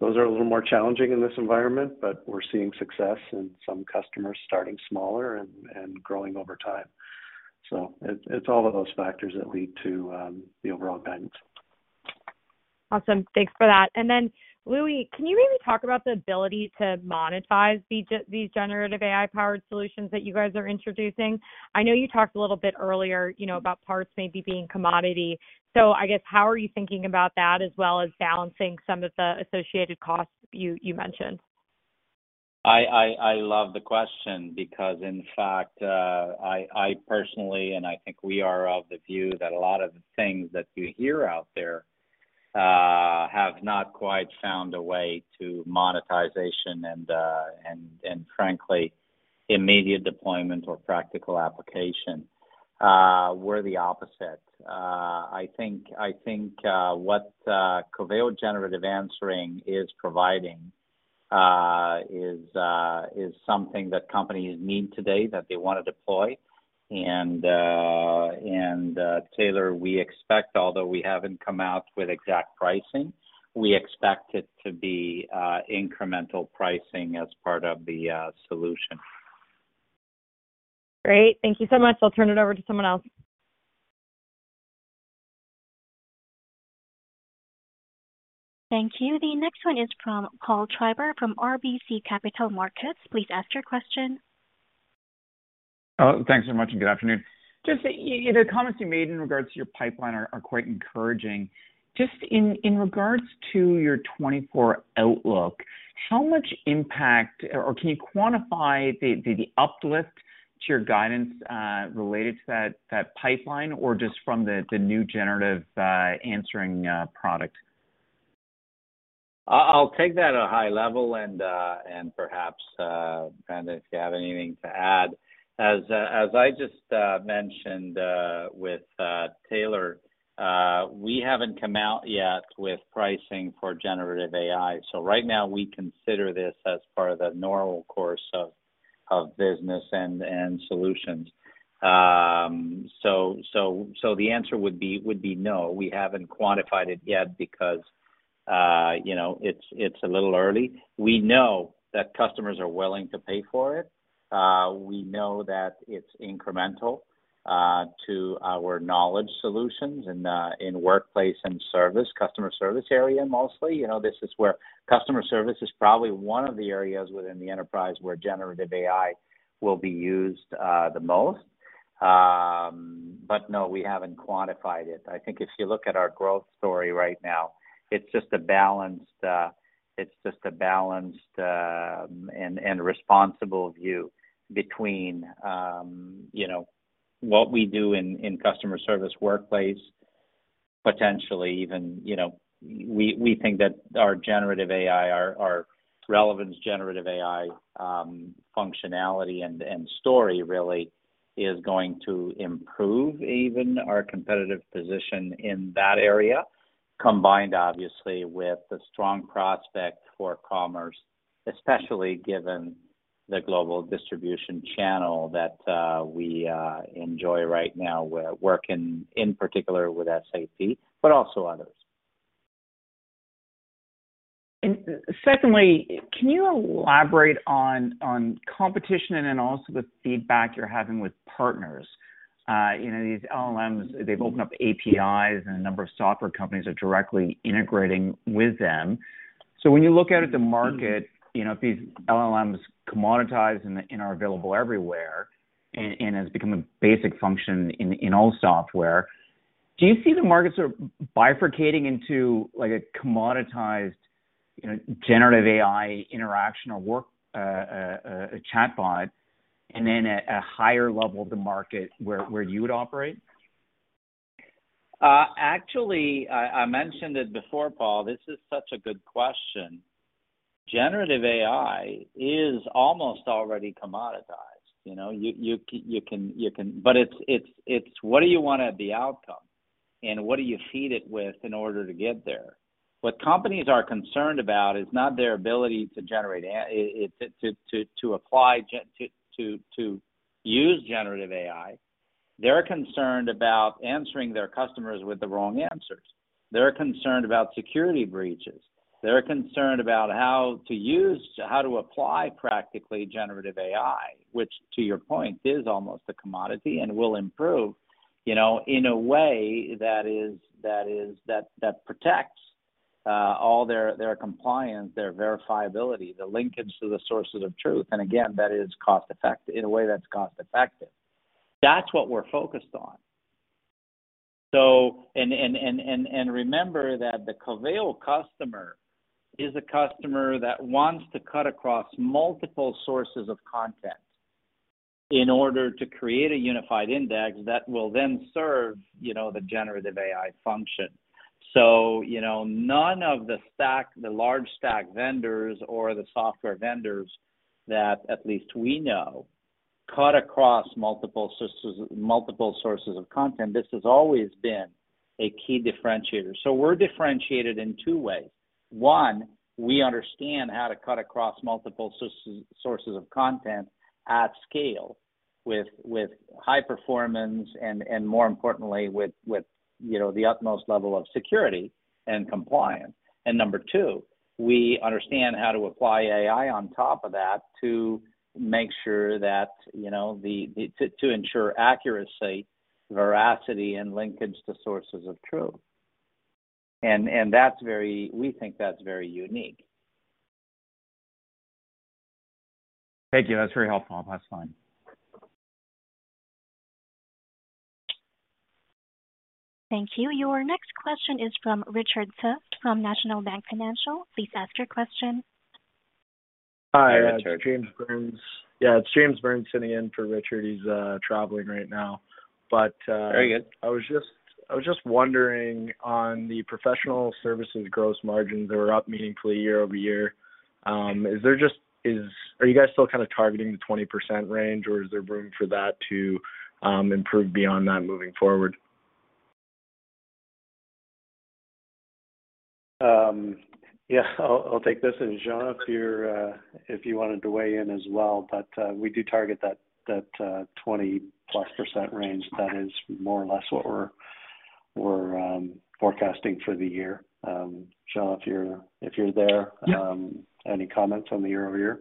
those are a little more challenging in this environment, but we're seeing success and some customers starting smaller and growing over time. It's all of those factors that lead to the overall guidance. Awesome. Thanks for that. Louis, can you maybe talk about the ability to monetize these generative AI-powered solutions that you guys are introducing? I know you talked a little bit earlier, you know, about parts maybe being commodity. How are you thinking about that, as well as balancing some of the associated costs you mentioned? I love the question because, in fact, I personally, and I think we are of the view that a lot of the things that you hear out there have not quite found a way to monetization and, frankly, immediate deployment or practical application. We're the opposite. I think what Coveo Generative Answering is providing is something that companies need today, that they want to deploy. Taylor, we expect, although we haven't come out with exact pricing, we expect it to be incremental pricing as part of the solution. Great. Thank you so much. I'll turn it over to someone else. Thank you. The next one is from Paul Treiber from RBC Capital Markets. Please ask your question. Thanks so much, good afternoon. Just, you know, the comments you made in regards to your pipeline are quite encouraging. Just in regards to your 2024 outlook, how much impact, or can you quantify the uplift to your guidance related to that pipeline, or just from the new generative answering product? I'll take that at a high level and perhaps Brandon, if you have anything to add. As I just mentioned with Taylor, we haven't come out yet with pricing for generative AI. Right now we consider this as part of the normal course of business and solutions. The answer would be no, we haven't quantified it yet because, you know, it's a little early. We know that customers are willing to pay for it. We know that it's incremental to our knowledge solutions and in workplace and service, customer service area, mostly. You know, this is where customer service is probably one of the areas within the enterprise where generative AI will be used the most. No, we haven't quantified it. I think if you look at our growth story right now, it's just a balanced and responsible view between, you know, what we do in customer service workplace, potentially even. You know, we think that our generative AI, our Relevance Generative AI functionality and story really is going to improve even our competitive position in that area, combined obviously with the strong prospect for commerce, especially given the global distribution channel that we enjoy right now. We're working in particular with SAP, but also others. Secondly, can you elaborate on competition and then also the feedback you're having with partners? You know, these LLMs, they've opened up APIs, and a number of software companies are directly integrating with them. When you look out at the market, you know, if these LLMs commoditize and are available everywhere, and as become a basic function in all software, do you see the markets are bifurcating into like a commoditized, you know, generative AI interaction or work, a chatbot, and then at a higher level of the market where you would operate? Actually, I mentioned it before, Paul, this is such a good question. Generative AI is almost already commoditized. You know, you can, but it's what do you want at the outcome? What do you feed it with in order to get there? What companies are concerned about is not their ability to use generative AI. They're concerned about answering their customers with the wrong answers. They're concerned about security breaches. They're concerned about how to use, how to apply practically, generative AI, which, to your point, is almost a commodity and will improve, you know, in a way that protects all their compliance, their verifiability, the linkage to the sources of truth, and again, in a way that's cost-effective. That's what we're focused on. Remember that the Coveo customer is a customer that wants to cut across multiple sources of content in order to create a unified index that will then serve, you know, the generative AI function. You know, none of the stack, the large stack vendors or the software vendors that at least we know, cut across multiple sources of content. This has always been a key differentiator. We're differentiated in two ways. One, we understand how to cut across multiple sources of content at scale, with high performance, and more importantly, with, you know, the utmost level of security and compliance. Number two, we understand how to apply AI on top of that to make sure that, you know, the to ensure accuracy, veracity, and linkage to sources of truth. We think that's very unique. Thank you. That's very helpful. That's fine. Thank you. Your next question is from Richard Tse from National Bank Financial. Please ask your question. Hi, it's James Burns. Yeah, it's James Burns sitting in for Richard. He's traveling right now. Very good. I was just wondering on the professional services gross margins that were up meaningfully year-over-year, are you guys still kind of targeting the 20% range, or is there room for that to improve beyond that moving forward? Yeah, I'll take this. James, if you're, if you wanted to weigh in as well, we do target that 20%+ range. That is more or less what we're forecasting for the year. James, if you're there. Yeah. Any comments on the year-over-year?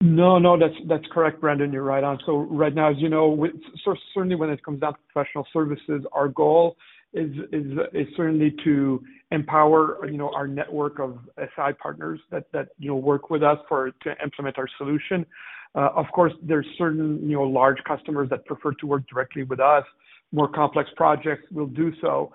No, that's correct, Brandon, you're right on. Right now, as you know, with so certainly when it comes down to professional services, our goal is certainly to empower, you know, our network of SI partners that, you know, work with us for, to implement our solution. Of course, there's certain, you know, large customers that prefer to work directly with us. More complex projects will do so.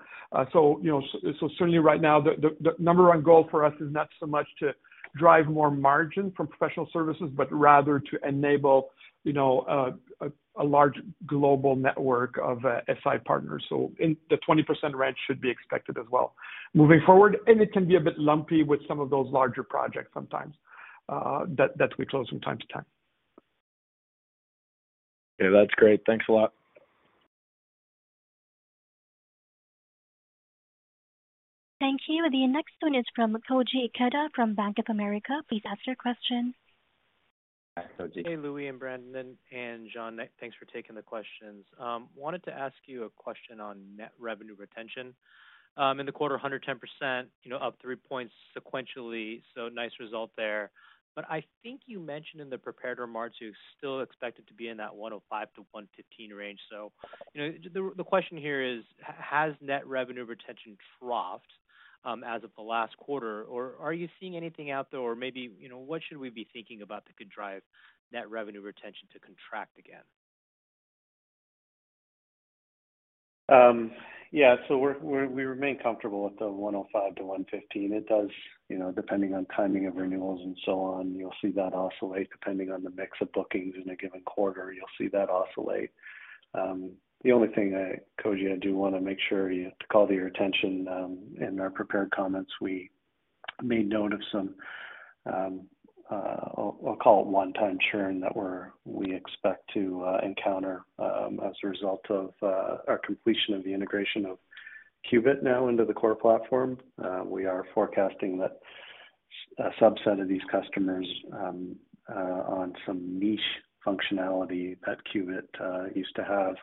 You know, so certainly right now, the number one goal for us is not so much to drive more margin from professional services, but rather to enable, you know, a large global network of SI partners. The 20% range should be expected as well. Moving forward, it can be a bit lumpy with some of those larger projects sometimes, that we close from time to time. Yeah, that's great. Thanks a lot. Thank you. The next one is from Koji Ikeda, from Bank of America. Please ask your question. Hi, Koji. Hey, Louis and Brandon and Jean. Thanks for taking the questions. Wanted to ask you a question on net revenue retention. In the quarter, 110%, you know, up 3 points sequentially, so nice result there. I think you mentioned in the prepared remarks, you still expect it to be in that 105%-115% range. You know, the question here is, has net revenue retention troughed, as of the last quarter, or are you seeing anything out there? Or maybe, you know, what should we be thinking about that could drive net revenue retention to contract again? Yeah. We remain comfortable with the one hundred and five to one hundred and fifteen. It does, you know, depending on timing of renewals and so on, you'll see that oscillate. Depending on the mix of bookings in a given quarter, you'll see that oscillate. The only thing I, Koji, I do want to make sure you to call to your attention, in our prepared comments, we made note of some, I'll call it one-time churn that we expect to encounter as a result of our completion of the integration of Qubit now into the core platform. We are forecasting that a subset of these customers on some niche functionality that Qubit used to have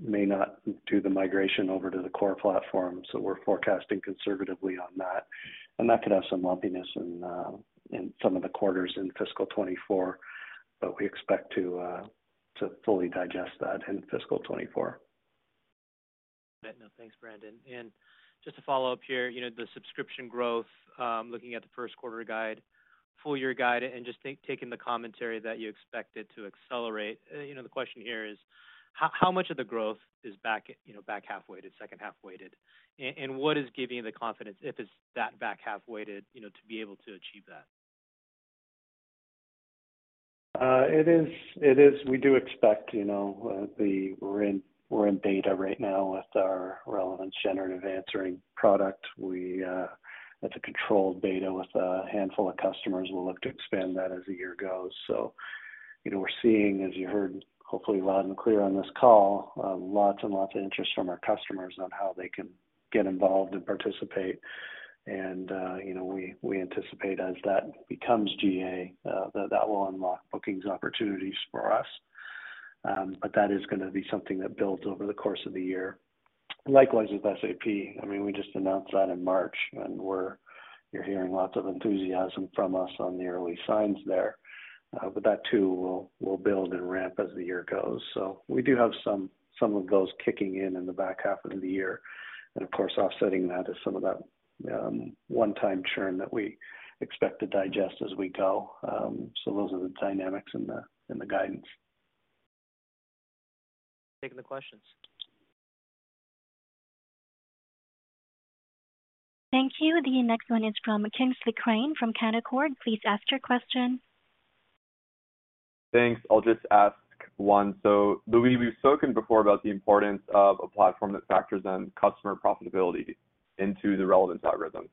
may not do the migration over to the core platform, we're forecasting conservatively on that. That could have some lumpiness in some of the quarters in fiscal 2024, but we expect to fully digest that in fiscal 2024. No, thanks, Brandon. Just to follow up here, you know, the subscription growth, looking at the first quarter guide, full year guide, and taking the commentary that you expect it to accelerate. You know, the question here is, how much of the growth is back, you know, back half-weighted, second half-weighted? And what is giving you the confidence, if it's that back half-weighted, you know, to be able to achieve that? It is, it is. We do expect, you know, we're in beta right now with our Coveo Relevance Generative Answering product. It's a controlled beta with a handful of customers. We'll look to expand that as the year goes. you know, we're seeing, as you heard, hopefully, loud and clear on this call, lots and lots of interest from our customers on how they can get involved and participate. you know, we anticipate as that becomes GA, that that will unlock bookings opportunities for us. That is gonna be something that builds over the course of the year. Likewise, with SAP, I mean, we just announced that in March, and you're hearing lots of enthusiasm from us on the early signs there. That too, will build and ramp as the year goes. We do have some of those kicking in in the back half of the year. Of course, offsetting that is some of that one-time churn that we expect to digest as we go. Those are the dynamics in the guidance. Taking the questions. Thank you. The next one is from Kingsley Crane from Canaccord. Please ask your question. Thanks. I'll just ask one. Louis, we've spoken before about the importance of a platform that factors in customer profitability into the relevance algorithm.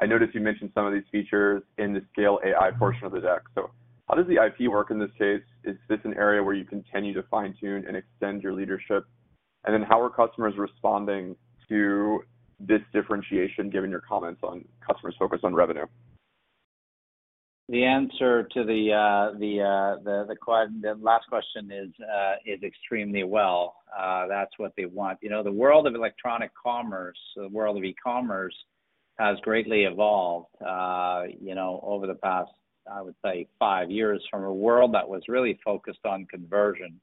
I noticed you mentioned some of these features in the SCALE AI portion of the deck. How does the IP work in this case? Is this an area where you continue to fine-tune and extend your leadership? How are customers responding to this differentiation, given your comments on customers focus on revenue? The answer to the last question is extremely well. That's what they want. You know, the world of electronic commerce, the world of e-commerce, has greatly evolved, you know, over the past, I would say, five years, from a world that was really focused on conversion.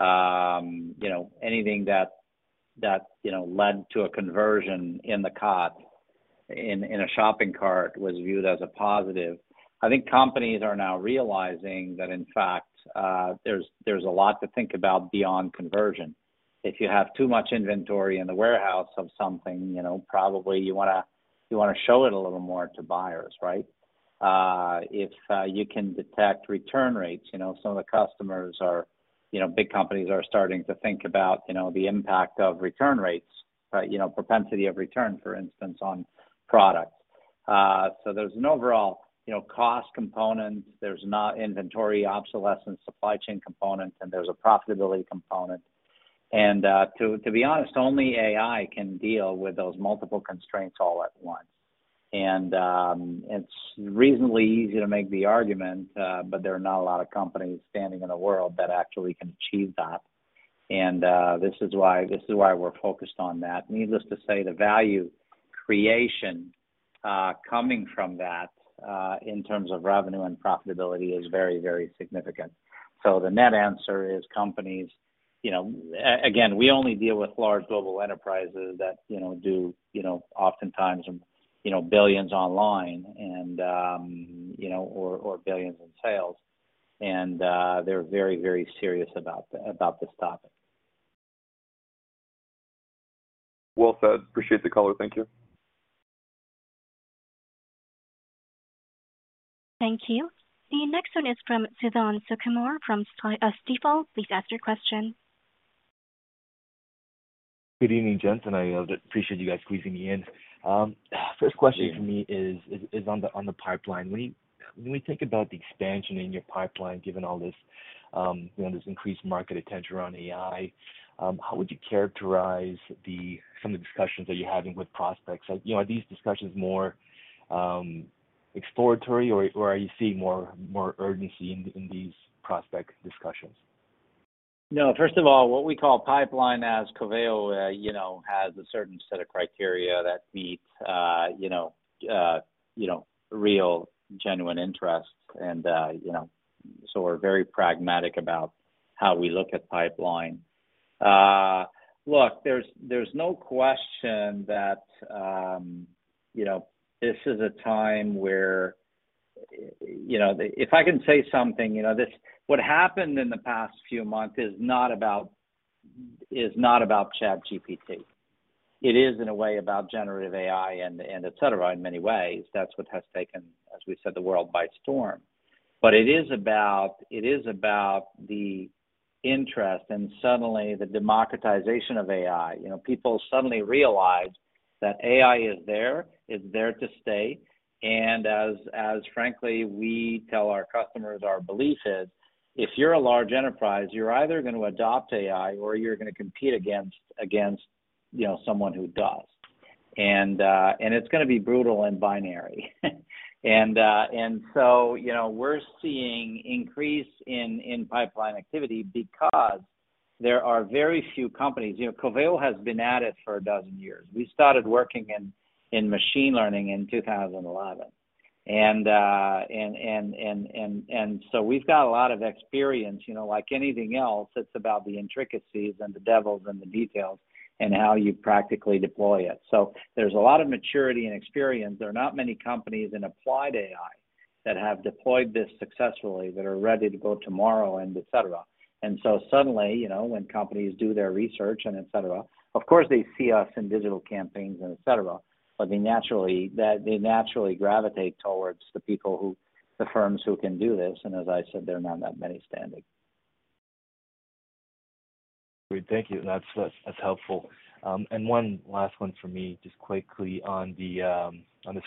You know, anything that, you know, led to a conversion in the cart, in a shopping cart, was viewed as a positive. I think companies are now realizing that, in fact, there's a lot to think about beyond conversion. If you have too much inventory in the warehouse of something, you know, probably you wanna, you wanna show it a little more to buyers, right? If you can detect return rates, you know, some of the customers are, you know, big companies are starting to think about, you know, the impact of return rates, you know, propensity of return, for instance, on products. There's an overall, you know, cost component. There's not inventory obsolescence, supply chain component, and there's a profitability component. To be honest, only AI can deal with those multiple constraints all at once. It's reasonably easy to make the argument, but there are not a lot of companies standing in the world that actually can achieve that. This is why, this is why we're focused on that. Needless to say, the value creation coming from that in terms of revenue and profitability is very, very significant. The net answer is companies, you know, again, we only deal with large global enterprises that, you know, do, you know, oftentimes, you know, billions online and, you know, or billions in sales, and they're very, very serious about this topic. Well said. Appreciate the call. Thank you. Thank you. The next one is from Suthan Sukumar from Stifel. Please ask your question. Good evening, gents, and I appreciate you guys squeezing me in. First question from me is on the pipeline. When you think about the expansion in your pipeline, given all this, you know, this increased market attention around AI, how would you characterize some of the discussions that you're having with prospects? You know, are these discussions more exploratory, or are you seeing more urgency in these prospect discussions? No, first of all, what we call pipeline as Coveo, you know, has a certain set of criteria that meets, you know, you know, real genuine interest. You know, so we're very pragmatic about how we look at pipeline. Look, there's no question that, you know, this is a time where, you know... If I can say something, you know, this, what happened in the past few months is not about ChatGPT. It is, in a way, about generative AI and etcetera. In many ways, that's what has taken, as we said, the world by storm. It is about the interest and suddenly the democratization of AI. You know, people suddenly realized that AI is there, it's there to stay, and as frankly, we tell our customers, our belief is, if you're a large enterprise, you're either going to adopt AI or you're going to compete against, you know, someone who does. It's gonna be brutal and binary. You know, we're seeing increase in pipeline activity because there are very few companies. You know, Coveo has been at it for a dozen years. We started working in machine learning in 2011. We've got a lot of experience. You know, like anything else, it's about the intricacies and the devils and the details and how you practically deploy it. There's a lot of maturity and experience. There are not many companies in applied AI that have deployed this successfully, that are ready to go tomorrow and et cetera. Suddenly, you know, when companies do their research and et cetera, of course, they see us in digital campaigns and et cetera, but they naturally gravitate towards the people who, the firms who can do this. As I said, there are not that many standing. Great, thank you. That's helpful. One last one for me, just quickly on the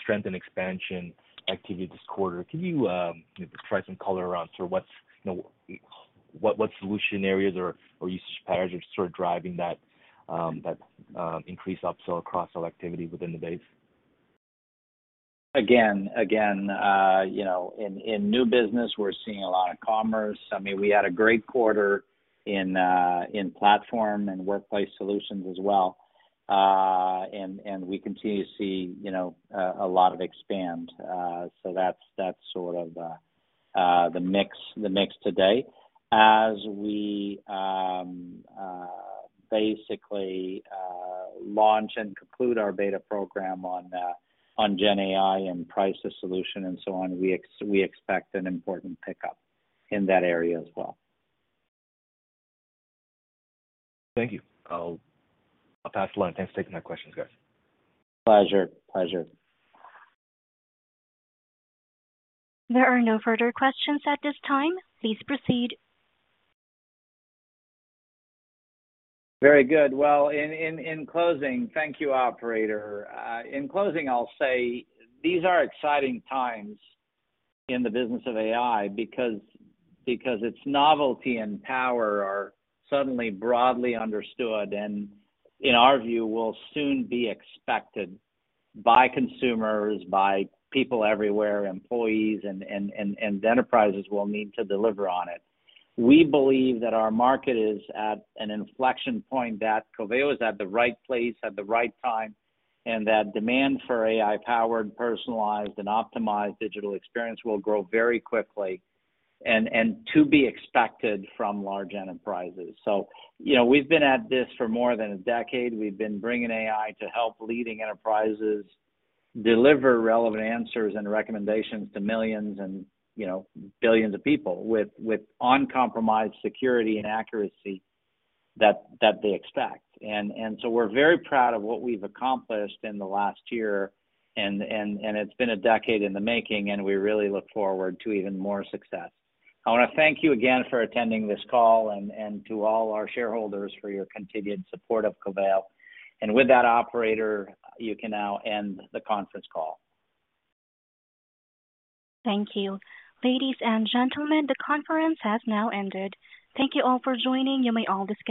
strength and expansion activity this quarter. Can you provide some color around sort of what's, you know, what solution areas or usage patterns are sort of driving that increase upsell across all activity within the base? Again, you know, in new business, we're seeing a lot of commerce. I mean, we had a great quarter in platform and workplace solutions as well. We continue to see, you know, a lot of expand. That's sort of the mix today. As we, basically, launch and conclude our beta program on Gen AI and price the solution and so on, we expect an important pickup in that area as well. Thank you. I'll pass along. Thanks for taking my questions, guys. Pleasure. Pleasure. There are no further questions at this time. Please proceed. Very good. Well, in closing, thank you, operator. In closing, I'll say these are exciting times in the business of AI because its novelty and power are suddenly broadly understood, and in our view, will soon be expected by consumers, by people everywhere, employees and enterprises will need to deliver on it. We believe that our market is at an inflection point, that Coveo is at the right place at the right time, and that demand for AI-powered, personalized, and optimized digital experience will grow very quickly and to be expected from large enterprises. You know, we've been at this for more than a decade. We've been bringing AI to help leading enterprises deliver relevant answers and recommendations to millions and, you know, billions of people with uncompromised security and accuracy that they expect. We're very proud of what we've accomplished in the last year, and it's been a decade in the making, and we really look forward to even more success. I want to thank you again for attending this call and to all our shareholders for your continued support of Coveo. With that, operator, you can now end the conference call. Thank you. Ladies and gentlemen, the conference has now ended. Thank you all for joining. You may all disconnect.